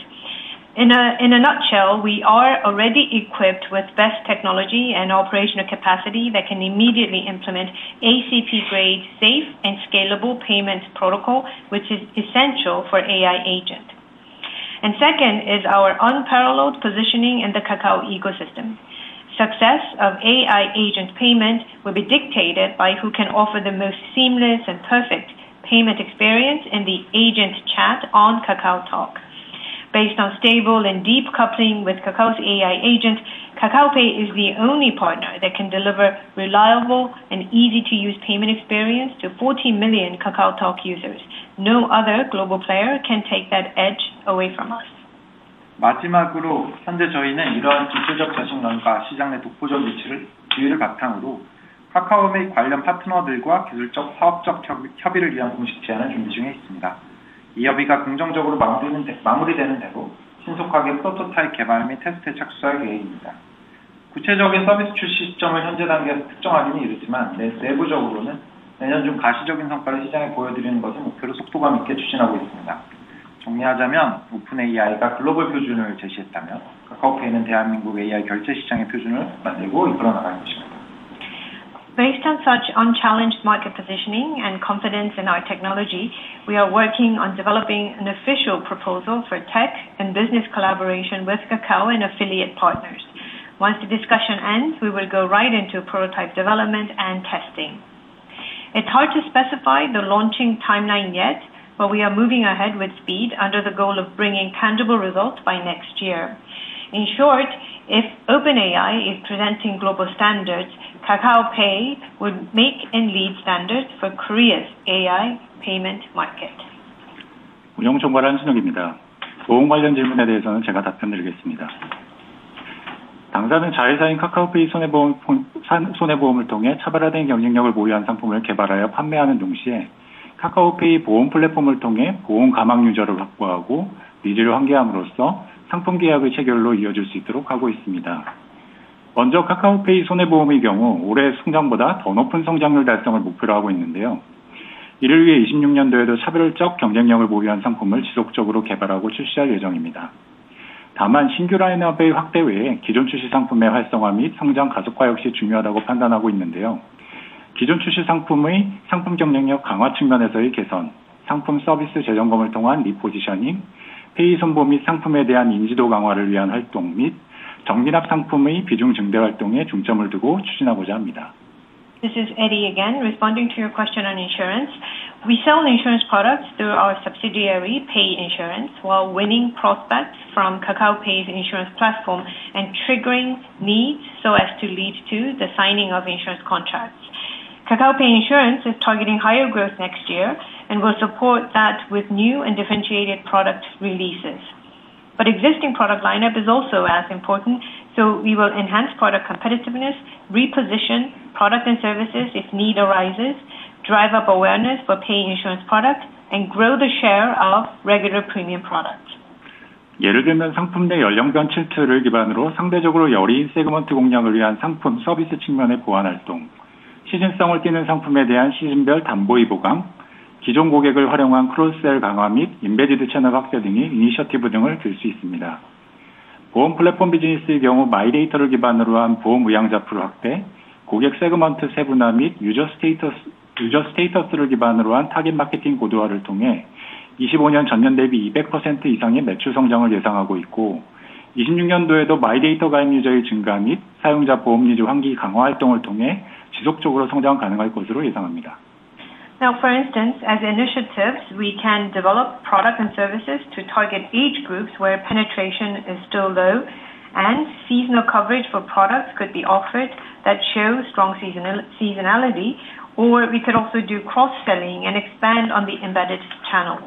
In a nutshell, we are already equipped with best technology and operational capacity that can immediately implement ACP-grade safe and scalable payment protocol, which is essential for AI agents. Second is our unparalleled positioning in the Kakao ecosystem. Success of AI agent payment will be dictated by who can offer the most seamless and perfect payment experience in the agent chat on KakaoTalk. Based on stable and deep coupling with Kakao's AI agent, KakaoPay is the only partner that can deliver reliable and easy-to-use payment experience to 40 million KakaoTalk users. No other global player can take that edge away from us. 마지막으로 현재 저희는 이러한 기술적 자신감과 시장 내 독보적 위치를 기회를 바탕으로 카카오 및 관련 파트너들과 기술적, 사업적 협의를 위한 공식 제안을 준비 중에 있습니다. 이 협의가 긍정적으로 마무리되는 대로 신속하게 프로토타입 개발 및 테스트에 착수할 계획입니다. 구체적인 서비스 출시 시점을 현재 단계에서 특정하기는 이르지만, 내부적으로는 내년 중 가시적인 성과를 시장에 보여드리는 것을 목표로 속도감 있게 추진하고 있습니다. 정리하자면 OpenAI가 글로벌 표준을 제시했다면 KakaoPay는 대한민국 AI 결제 시장의 표준을 만들고 이끌어 나갈 것입니다. Based on such unchallenged market positioning and confidence in our technology, we are working on developing an official proposal for tech and business collaboration with Kakao and affiliate partners. Once the discussion ends, we will go right into prototype development and testing. It's hard to specify the launching timeline yet, but we are moving ahead with speed under the goal of bringing tangible results by next year. In short, if OpenAI is presenting global standards, KakaoPay would make and lead standards for Korea's AI payment market. 영업총괄 한순혁입니다. 보험 관련 질문에 대해서는 제가 답변 드리겠습니다. 당사는 자회사인 카카오페이 손해보험을 통해 차별화된 경쟁력을 보유한 상품을 개발하여 판매하는 동시에 카카오페이 보험 플랫폼을 통해 보험 가망 유저를 확보하고 니즈를 환기함으로써 상품 계약의 체결로 이어질 수 있도록 하고 있습니다. 먼저 카카오페이 손해보험의 경우 올해의 성장보다 더 높은 성장률 달성을 목표로 하고 있는데요. 이를 위해 2026년도에도 차별적 경쟁력을 보유한 상품을 지속적으로 개발하고 출시할 예정입니다. 다만 신규 라인업의 확대 외에 기존 출시 상품의 활성화 및 성장 가속화 역시 중요하다고 판단하고 있는데요. 기존 출시 상품의 상품 경쟁력 강화 측면에서의 개선, 상품 서비스 재점검을 통한 리포지셔닝, 페이 손보 및 상품에 대한 인지도 강화를 위한 활동 및 정기납 상품의 비중 증대 활동에 중점을 두고 추진하고자 합니다. This is Eddie again responding to your question on insurance. We sell insurance products through our subsidiary Pay Insurance while winning prospects from KakaoPay's insurance platform and triggering needs so as to lead to the signing of insurance contracts. KakaoPay Insurance is targeting higher growth next year and will support that with new and differentiated product releases. But existing product lineup is also as important, so we will enhance product competitiveness, reposition product and services if need arises, drive up awareness for pay insurance products, and grow the share of regular premium products. 예를 들면 상품 내 연령별 틸트를 기반으로 상대적으로 여린 세그먼트 공략을 위한 상품 서비스 측면의 보완 활동, 시즌성을 띄는 상품에 대한 시즌별 담보위 보강, 기존 고객을 활용한 크로스셀 강화 및 임베디드 채널 확대 등의 이니셔티브 등을 들수 있습니다. 보험 플랫폼 비즈니스의 경우 마이데이터를 기반으로 한 보험 의향 잠풀 확대, 고객 세그먼트 세분화 및 유저 스테이터스를 기반으로 한 타깃 마케팅 고도화를 통해 2025년 전년 대비 200% 이상의 매출 성장을 예상하고 있고, 2026년도에도 마이데이터 가입 유저의 증가 및 사용자 보험 니즈 환기 강화 활동을 통해 지속적으로 성장 가능할 것으로 예상합니다. Now, for instance, as initiatives, we can develop product and services to target age groups where penetration is still low, and seasonal coverage for products could be offered that show strong seasonality, or we could also do cross-selling and expand on the embedded channel.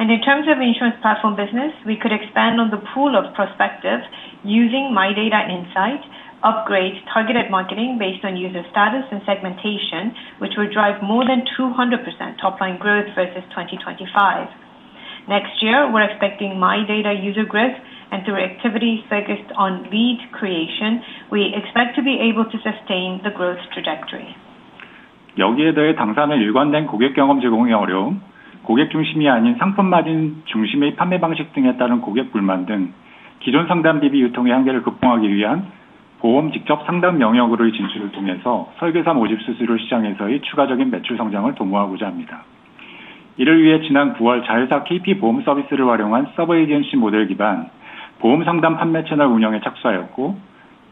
In terms of insurance platform business, we could expand on the pool of prospectives using my data insight, upgrade targeted marketing based on user status and segmentation, which will drive more than 200% top-line growth versus 2025. Next year, we're expecting my data user growth and through activities focused on lead creation, we expect to be able to sustain the growth trajectory. 여기에 더해 당사는 일관된 고객 경험 제공의 어려움, 고객 중심이 아닌 상품 마진 중심의 판매 방식 등에 따른 고객 불만 등 기존 상담 DB 유통의 한계를 극복하기 위한 보험 직접 상담 영역으로의 진출을 통해서 설계사 모집 수수료 시장에서의 추가적인 매출 성장을 도모하고자 합니다. 이를 위해 지난 9월 자회사 KP 보험 서비스를 활용한 서브 에이전시 모델 기반 보험 상담 판매 채널 운영에 착수하였고,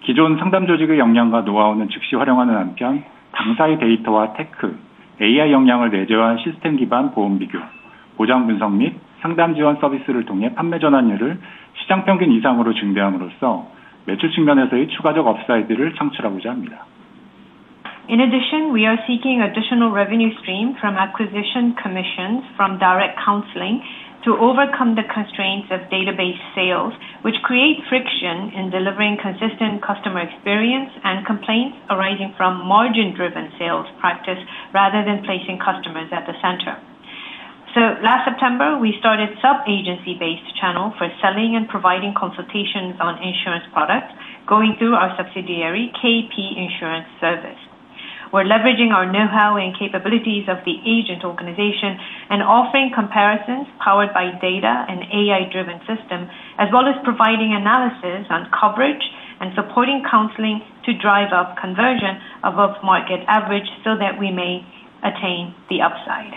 기존 상담 조직의 역량과 노하우는 즉시 활용하는 한편, 당사의 데이터와 테크, AI 역량을 내재화한 시스템 기반 보험 비교, 보장 분석 및 상담 지원 서비스를 통해 판매 전환율을 시장 평균 이상으로 증대함으로써 매출 측면에서의 추가적 업사이드를 창출하고자 합니다. In addition, we are seeking additional revenue streams from acquisition commissions from direct counseling to overcome the constraints of database sales, which create friction in delivering consistent customer experience and complaints arising from margin-driven sales practice rather than placing customers at the center. So, last September, we started a sub-agency-based channel for selling and providing consultations on insurance products going through our subsidiary KP Insurance Service. We're leveraging our know-how and capabilities of the agent organization and offering comparisons powered by data and AI-driven systems, as well as providing analysis on coverage and supporting counseling to drive up conversion above market average so that we may attain the upside.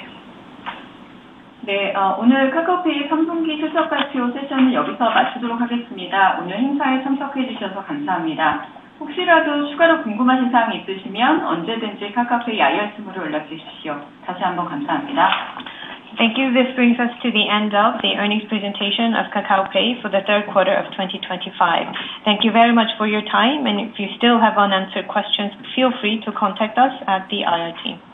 네, 오늘 카카오페이 3분기 실적 발표 세션은 여기서 마치도록 하겠습니다. 오늘 행사에 참석해 주셔서 감사합니다. 혹시라도 추가로 궁금하신 사항이 있으시면 언제든지 카카오페이 IR팀으로 연락 주십시오. 다시 한번 감사합니다. Thank you. This brings us to the end of the earnings presentation of KakaoPay for the third quarter of 2024. Thank you very much for your time, and if you still have unanswered questions, feel free to contact us at the IR team. Thank you.